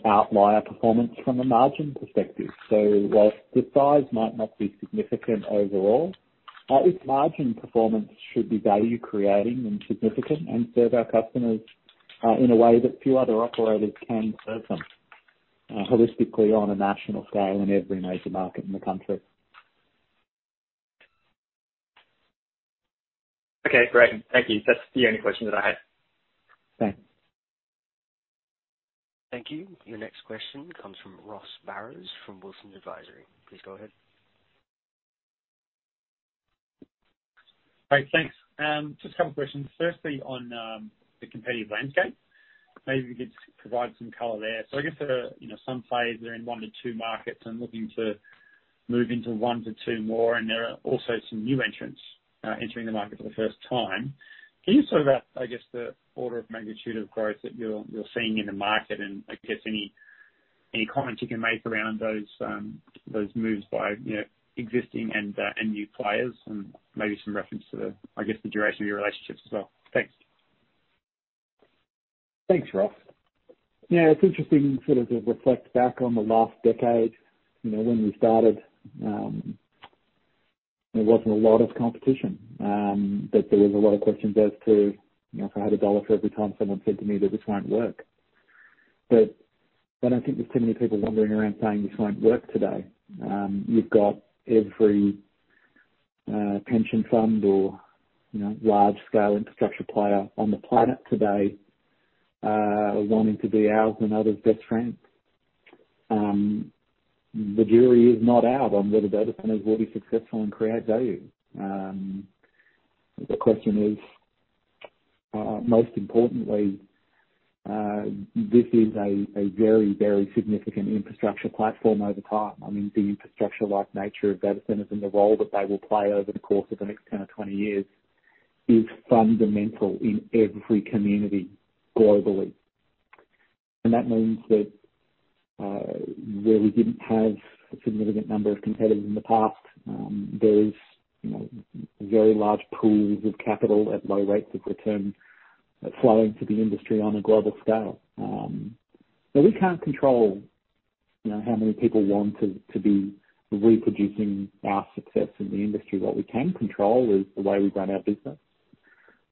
outlier performance from a margin perspective. While the size might not be significant overall, its margin performance should be value creating and significant and serve our customers, in a way that few other operators can serve them, holistically on a national scale in every major market in the country. Okay, great. Thank you. That's the only question that I had. Thanks. Thank you. Your next question comes from Ross Barrows, from Wilsons Advisory. Please go ahead. Hey, thanks. Just a couple questions. Firstly, on the competitive landscape, maybe you could provide some color there. I guess you know, some players are in one to two markets and looking to move intoone to two more, and there are also some new entrants entering the market for the first time. Can you sort of wrap the order of magnitude of growth that you're seeing in the market and I guess any comments you can make around those moves by you know, existing and new players and maybe some reference to the duration of your relationships as well. Thanks. Thanks, Ross. Yeah, it's interesting sort of to reflect back on the last decade. You know, when we started, there wasn't a lot of competition, but there was a lot of questions as to, you know, if I had a dollar for every time someone said to me that this won't work. But I don't think there's too many people wandering around saying this won't work today. You've got every pension fund or, you know, large scale infrastructure player on the planet today wanting to be ours and others' best friend. The jury is not out on whether data centers will be successful and create value. The question is, most importantly, this is a very, very significant infrastructure platform over time. I mean, the infrastructure-like nature of data centers and the role that they will play over the course of the next 10 or 20 years is fundamental in every community globally. That means that where we didn't have a significant number of competitors in the past, there's, you know, very large pools of capital at low rates of return flowing to the industry on a global scale. We can't control, you know, how many people want to be reproducing our success in the industry. What we can control is the way we run our business.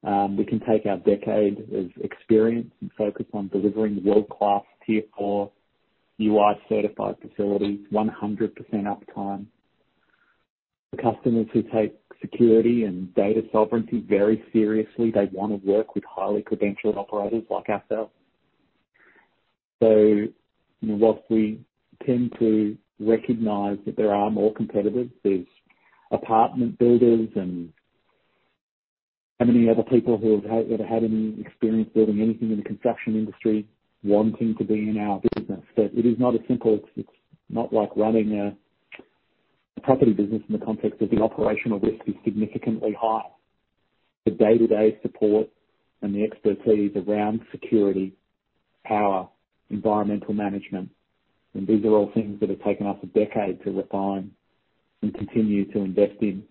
We can take our decade of experience and focus on delivering world-class Tier IV Uptime Institute certified facilities, 100% uptime. The customers who take security and data sovereignty very seriously, they wanna work with highly credentialed operators like ourselves. You know, while we tend to recognize that there are more competitors, there's apartment builders and how many other people who have ever had any experience building anything in the construction industry wanting to be in our business. It is not as simple. It's not like running a property business in the context of the operational risk is significantly high. The day-to-day support and the expertise around security, power, environmental management, and these are all things that have taken us a decade to refine and continue to invest in.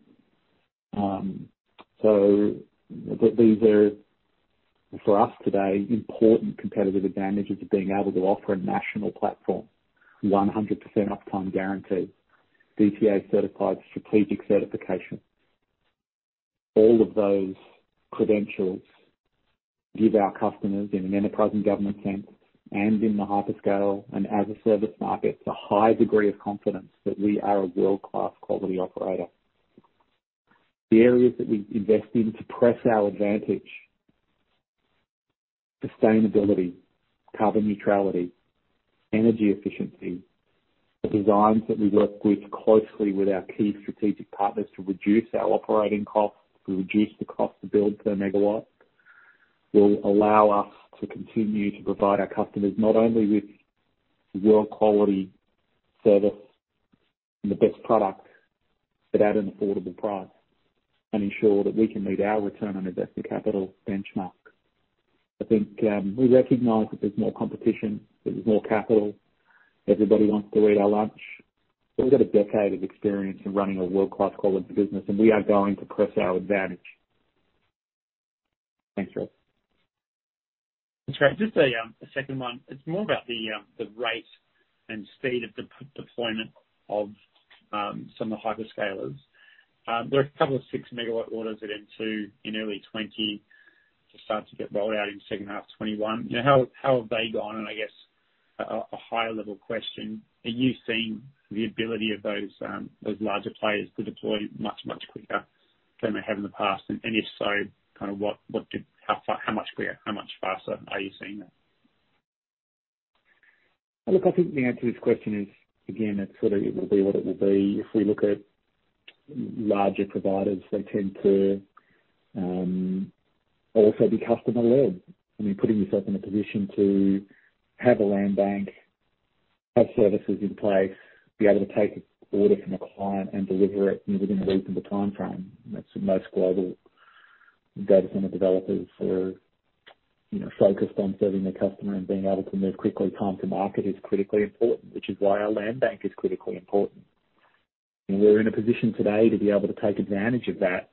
These are, for us today, important competitive advantages of being able to offer a national platform, 100% uptime guarantee, DTA certified strategic certification. All of those credentials give our customers in an enterprise and government sense and in the hyperscale and as a service market, a high degree of confidence that we are a world-class quality operator. The areas that we invest in to press our advantage, sustainability, carbon neutrality, energy efficiency, the designs that we work with closely with our key strategic partners to reduce our operating costs, to reduce the cost to build per megawatt, will allow us to continue to provide our customers not only with world quality service and the best product, but at an affordable price, and ensure that we can meet our return on invested capital benchmark. I think, we recognize that there's more competition, there's more capital. Everybody wants to eat our lunch. We've got a decade of experience in running a world-class quality business, and we are going to press our advantage. Thanks, Ross. That's great. Just a second one. It's more about the rate and speed of deployment of some of the hyperscalers. There are a couple of 6 MW orders at M2 in early 2020 to start to get rolled out in second half 2021. You know, how have they gone? And I guess a high level question, are you seeing the ability of those larger players to deploy much quicker than they have in the past? And if so, kind of how far, how much quicker, how much faster are you seeing that? Look, I think the answer to this question is, again, it's sort of it will be what it will be. If we look at larger providers, they tend to also be customer-led. I mean, putting yourself in a position to have a land bank, have services in place, be able to take an order from a client and deliver it within a reasonable timeframe. That's what most global data center developers are, you know, focused on serving their customer and being able to move quickly. Time to market is critically important, which is why our land bank is critically important. We're in a position today to be able to take advantage of that,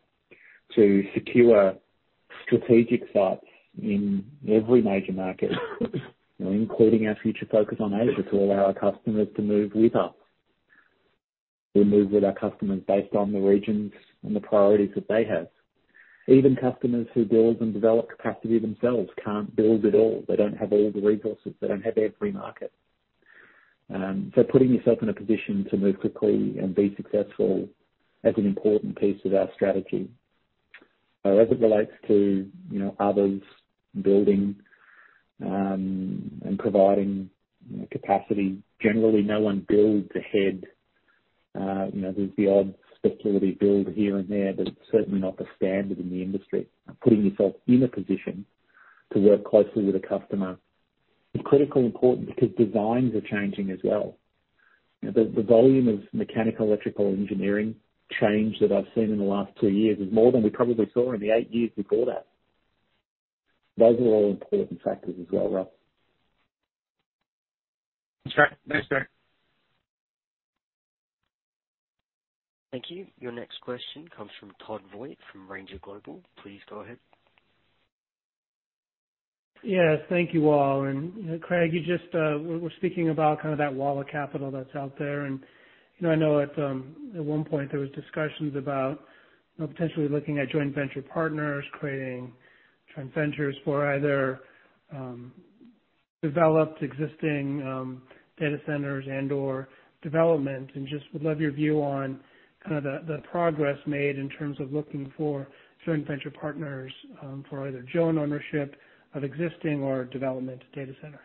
to secure strategic sites in every major market, you know, including our future focus on Asia, to allow our customers to move with us. We move with our customers based on the regions and the priorities that they have. Even customers who build and develop capacity themselves can't build it all. They don't have all the resources. They don't have every market. Putting yourself in a position to move quickly and be successful is an important piece of our strategy. As it relates to, you know, others building, and providing capacity, generally no one builds ahead. You know, there's the odd speculative build here and there, but it's certainly not the standard in the industry. Putting yourself in a position to work closely with a customer is critically important because designs are changing as well. You know, the volume of mechanical electrical engineering change that I've seen in the last two years is more than we probably saw in the eight years before that. Those are all important factors as well, Ross. That's great. Thanks, mate. Thank you. Your next question comes from Todd Voigt from Ranger Global. Please go ahead. Yes, thank you all. You know, Craig, we're speaking about kind of that wall of capital that's out there. You know, I know at one point there was discussions about potentially looking at joint venture partners, creating joint ventures for either developed existing data centers and/or development. I just would love your view on kind of the progress made in terms of looking for joint venture partners for either joint ownership of existing or development data centers.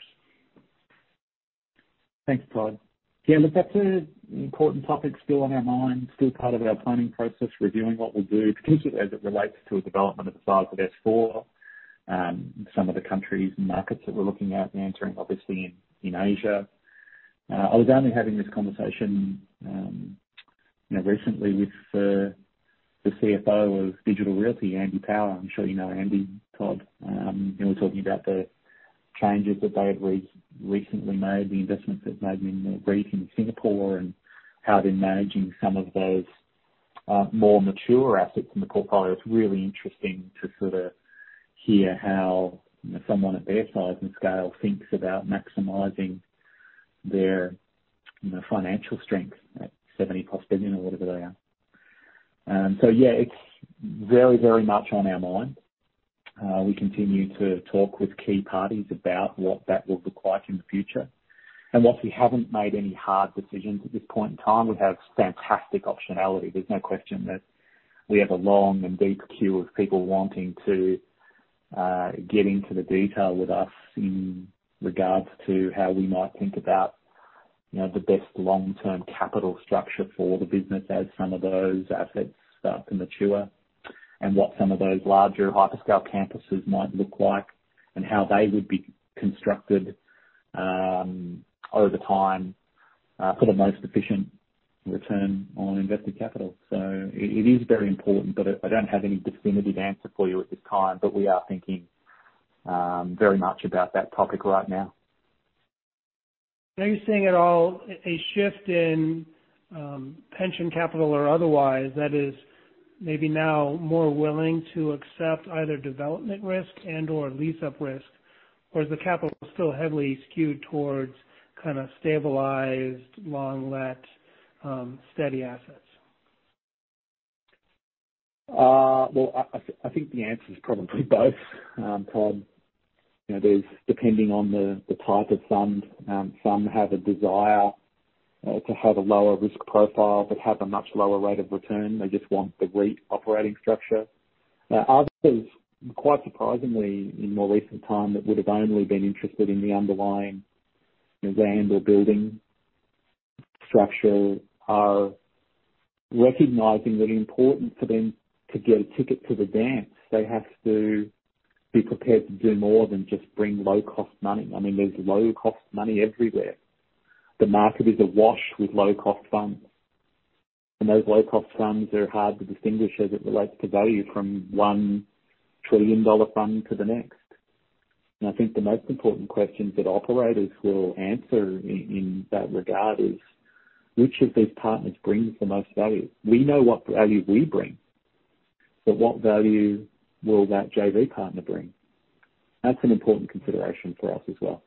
Thanks, Todd. Yeah, look, that's an important topic still on our mind, still part of our planning process, reviewing what we do, particularly as it relates to a development of the size of S4, some of the countries and markets that we're looking at entering, obviously in Asia. I was only having this conversation, you know, recently with the CFO of Digital Realty, Andy Power. I'm sure you know Andy, Todd. You know, we're talking about the changes that they have recently made, the investments they've made in the REIT in Singapore and how they're managing some of those, more mature assets in the portfolio. It's really interesting to sort of hear how someone of their size and scale thinks about maximizing their, you know, financial strength at 70+ billion or whatever they are. Yeah, it's very, very much on our mind. We continue to talk with key parties about what that will look like in the future. While we haven't made any hard decisions at this point in time, we have fantastic optionality. There's no question that we have a long and deep queue of people wanting to get into the detail with us in regards to how we might think about, you know, the best long-term capital structure for the business as some of those assets start to mature, and what some of those larger hyperscale campuses might look like and how they would be constructed over time for the most efficient return on invested capital. It is very important, but I don't have any definitive answer for you at this time, but we are thinking very much about that topic right now. Are you seeing at all a shift in pension capital or otherwise that is maybe now more willing to accept either development risk and/or lease up risk? Or is the capital still heavily skewed towards kind of stabilized, long let steady assets? Well, I think the answer is probably both, Todd. You know, there's depending on the type of fund, some have a desire to have a lower risk profile, but have a much lower rate of return. They just want the REIT operating structure. Others, quite surprisingly, in more recent time that would have only been interested in the underlying land or building structure are recognizing that important for them to get a ticket to the dance. They have to be prepared to do more than just bring low cost money. I mean, there's low cost money everywhere. The market is awash with low cost funds, and those low cost funds are hard to distinguish as it relates to value from one trillion-dollar fund to the next. I think the most important question that operators will answer in that regard is which of these partners brings the most value? We know what value we bring, but what value will that JV partner bring? That's an important consideration for us as well.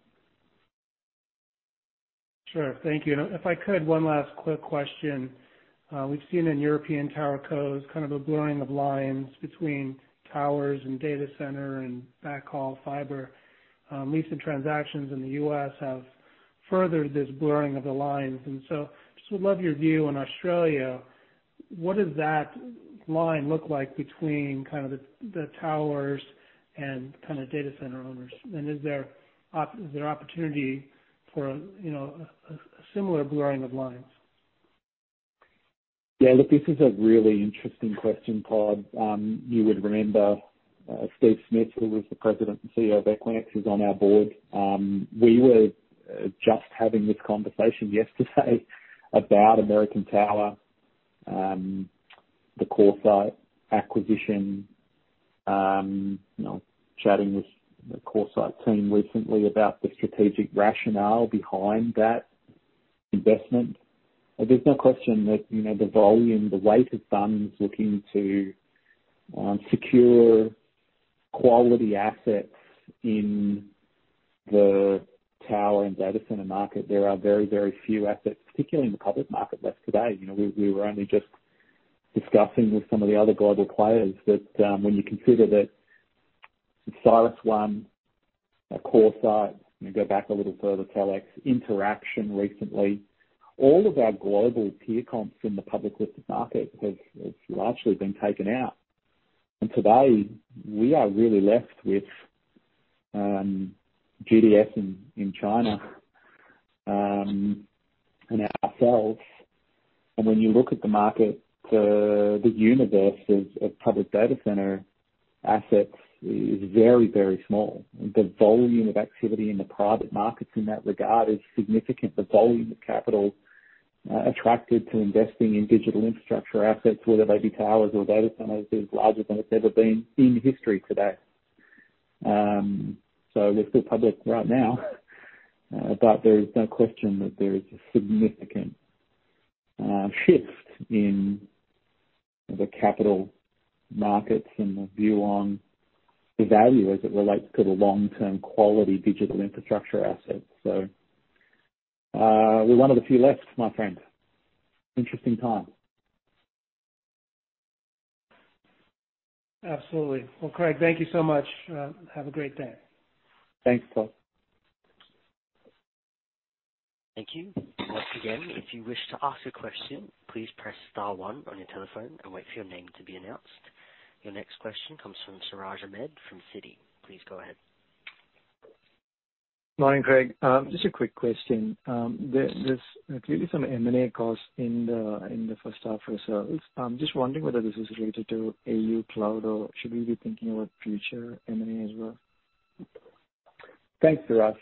Sure. Thank you. If I could, one last quick question. We've seen in European tower cos kind of a blurring of lines between towers and data center and backhaul fiber. Leasing transactions in the U.S. have furthered this blurring of the lines. Just would love your view on Australia. What does that line look like between kind of the towers and kind of data center owners? Is there opportunity for, you know, a similar blurring of lines? Yeah, look, this is a really interesting question, Todd. You would remember Steve Smith, who was the President and CEO of Equinix, who's on our board. We were just having this conversation yesterday about American Tower, the CoreSite acquisition, you know, chatting with the CoreSite team recently about the strategic rationale behind that investment. There's no question that, you know, the volume, the weight of funds looking to secure quality assets in the tower and data center market, there are very, very few assets, particularly in the public market left today. You know, we were only just discussing with some of the other global players that when you consider that CyrusOne, CoreSite, and go back a little further, Telx, Interxion recently, all of our global peer comps in the public listed market has largely been taken out. Today we are really left with GDS in China and ourselves. When you look at the market, the universe of public data center assets is very, very small. The volume of activity in the private markets in that regard is significant. The volume of capital attracted to investing in digital infrastructure assets, whether they be towers or data centers, is larger than it's ever been in history today. So they're still public right now, but there is no question that there is a significant shift in the capital markets and the view on the value as it relates to the long-term quality digital infrastructure assets. So, we're one of the few left, my friend. Interesting time. Absolutely. Well, Craig, thank you so much. Have a great day. Thanks, Todd. Thank you. Once again, if you wish to ask a question, please press star one on your telephone and wait for your name to be announced. Your next question comes from Siraj Ahmed from Citi. Please go ahead. Morning, Craig. Just a quick question. There's clearly some M&A costs in the first half results. I'm just wondering whether this is related to AUCloud or should we be thinking about future M&A as well? Thanks, Siraj.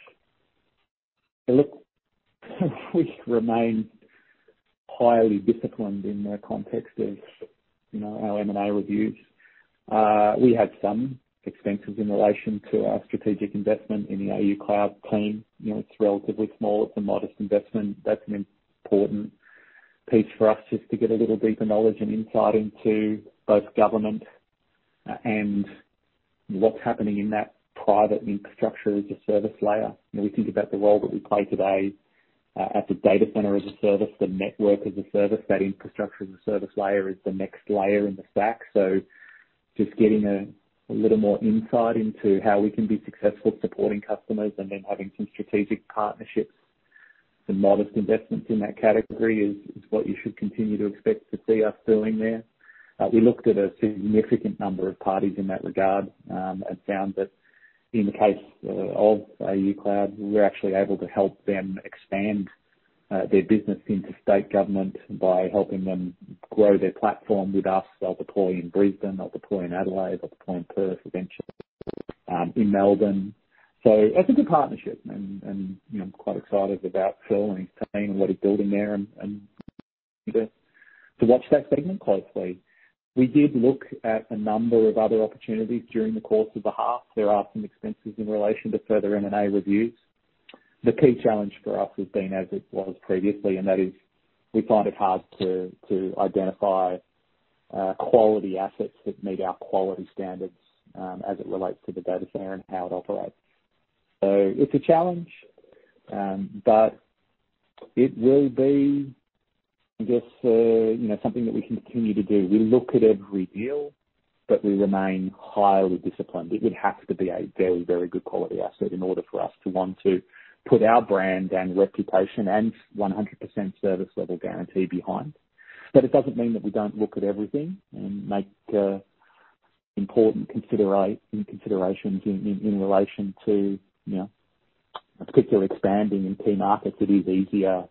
Look, we remain highly disciplined in the context of, you know, our M&A reviews. We had some expenses in relation to our strategic investment in the AUCloud team. You know, it's relatively small. It's a modest investment. That's an important piece for us just to get a little deeper knowledge and insight into both government and what's happening in that private infrastructure as a service layer. You know, we think about the role that we play today, at the data center as a service, the network as a service, that infrastructure as a service layer is the next layer in the stack. So just getting a little more insight into how we can be successful supporting customers and then having some strategic partnerships. Some modest investments in that category is what you should continue to expect to see us doing there. We looked at a significant number of parties in that regard and found that in the case of AUCloud, we're actually able to help them expand their business into state government by helping them grow their platform with us. They'll deploy in Brisbane, they'll deploy in Adelaide, they'll deploy in Perth, eventually in Melbourne. It's a good partnership and, you know, I'm quite excited about Phil and his team and what he's building there and to watch that segment closely. We did look at a number of other opportunities during the course of the half. There are some expenses in relation to further M&A reviews. The key challenge for us has been as it was previously, and that is we find it hard to identify quality assets that meet our quality standards, as it relates to the data center and how it operates. It's a challenge, but it will be just a, you know, something that we continue to do. We look at every deal, but we remain highly disciplined. It would have to be a very, very good quality asset in order for us to want to put our brand and reputation and 100% service level guarantee behind. It doesn't mean that we don't look at everything and make important considerations in relation to, you know, particularly expanding in key markets. It is easier, to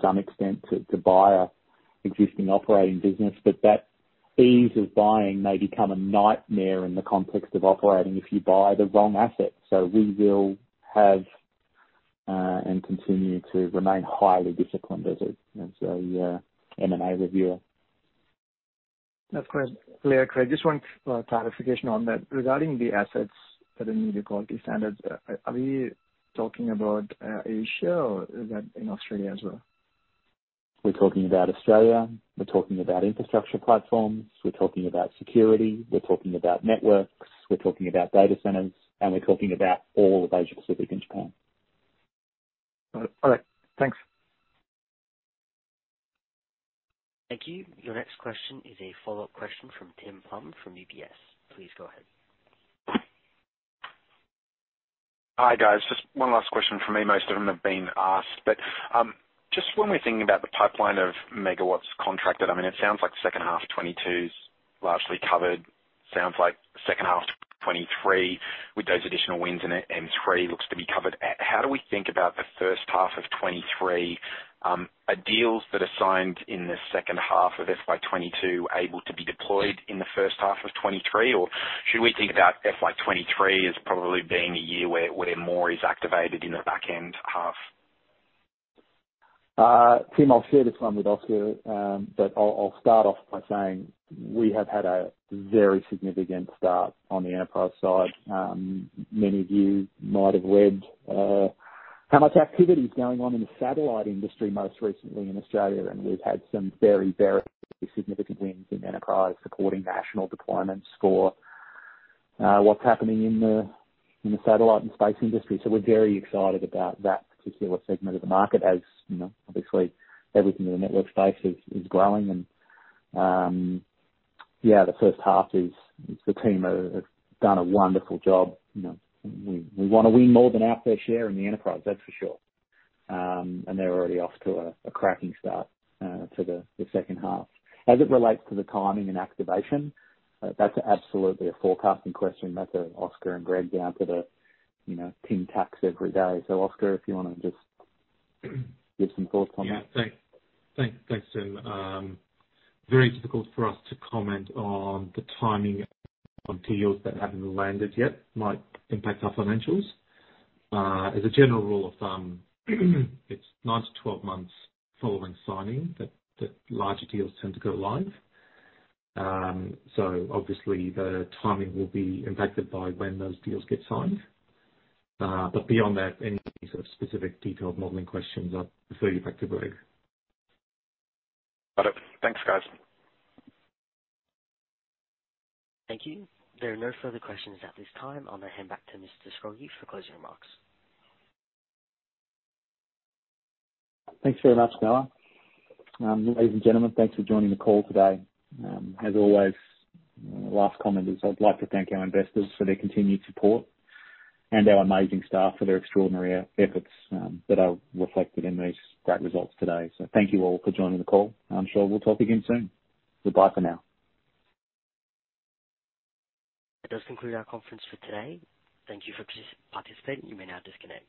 some extent, to buy an existing operating business. That ease of buying may become a nightmare in the context of operating if you buy the wrong asset. We will have and continue to remain highly disciplined as a M&A reviewer. That's quite clear, Craig. Just one clarification on that. Regarding the assets that are meeting quality standards, are we talking about Asia or is that in Australia as well? We're talking about Australia, we're talking about infrastructure platforms, we're talking about security, we're talking about networks, we're talking about data centers, and we're talking about all of Asia-Pacific and Japan. All right. Thanks. Thank you. Your next question is a follow-up question from Tim Plumbe from UBS. Please go ahead. Hi, guys. Just one last question from me. Most of them have been asked, but just when we're thinking about the pipeline of megawatts contracted, I mean, it sounds like second half 2022's largely covered. Sounds like second half 2023 with those additional wins in M3 looks to be covered. How do we think about the first half of 2023, are deals that are signed in the second half of FY 2022 able to be deployed in the first half of 2023? Or should we think about FY 2023 as probably being a year where more is activated in the back end half? Tim, I'll share this one with Oskar. I'll start off by saying we have had a very significant start on the enterprise side. Many of you might have read how much activity is going on in the satellite industry, most recently in Australia, and we've had some very, very significant wins in enterprise supporting national deployments for what's happening in the satellite and space industry. We're very excited about that particular segment of the market as you know, obviously everything in the network space is growing. The first half, the team have done a wonderful job. You know, we wanna win more than our fair share in the enterprise, that's for sure. They're already off to a cracking start to the second half. As it relates to the timing and activation, that's absolutely a forecasting question. That's for Oskar and Greg down to the, you know, brass tacks every day. Oskar, if you wanna just give some thoughts on that. Yeah. Thanks, Tim. Very difficult for us to comment on the timing of deals that haven't landed yet might impact our financials. As a general rule of thumb, it's nine to 12 months following signing that larger deals tend to go live. Obviously the timing will be impacted by when those deals get signed. Beyond that, any sort of specific detailed modeling questions, I'll refer you back to Craig. Got it. Thanks, guys. Thank you. There are no further questions at this time. I'll now hand back to Mr. Scroggie for closing remarks. Thanks very much, Noah. Ladies and gentlemen, thanks for joining the call today. As always, last comment is I'd like to thank our investors for their continued support and our amazing staff for their extraordinary efforts, that are reflected in these great results today. Thank you all for joining the call. I'm sure we'll talk again soon. Goodbye for now. That does conclude our conference for today. Thank you for participating. You may now disconnect.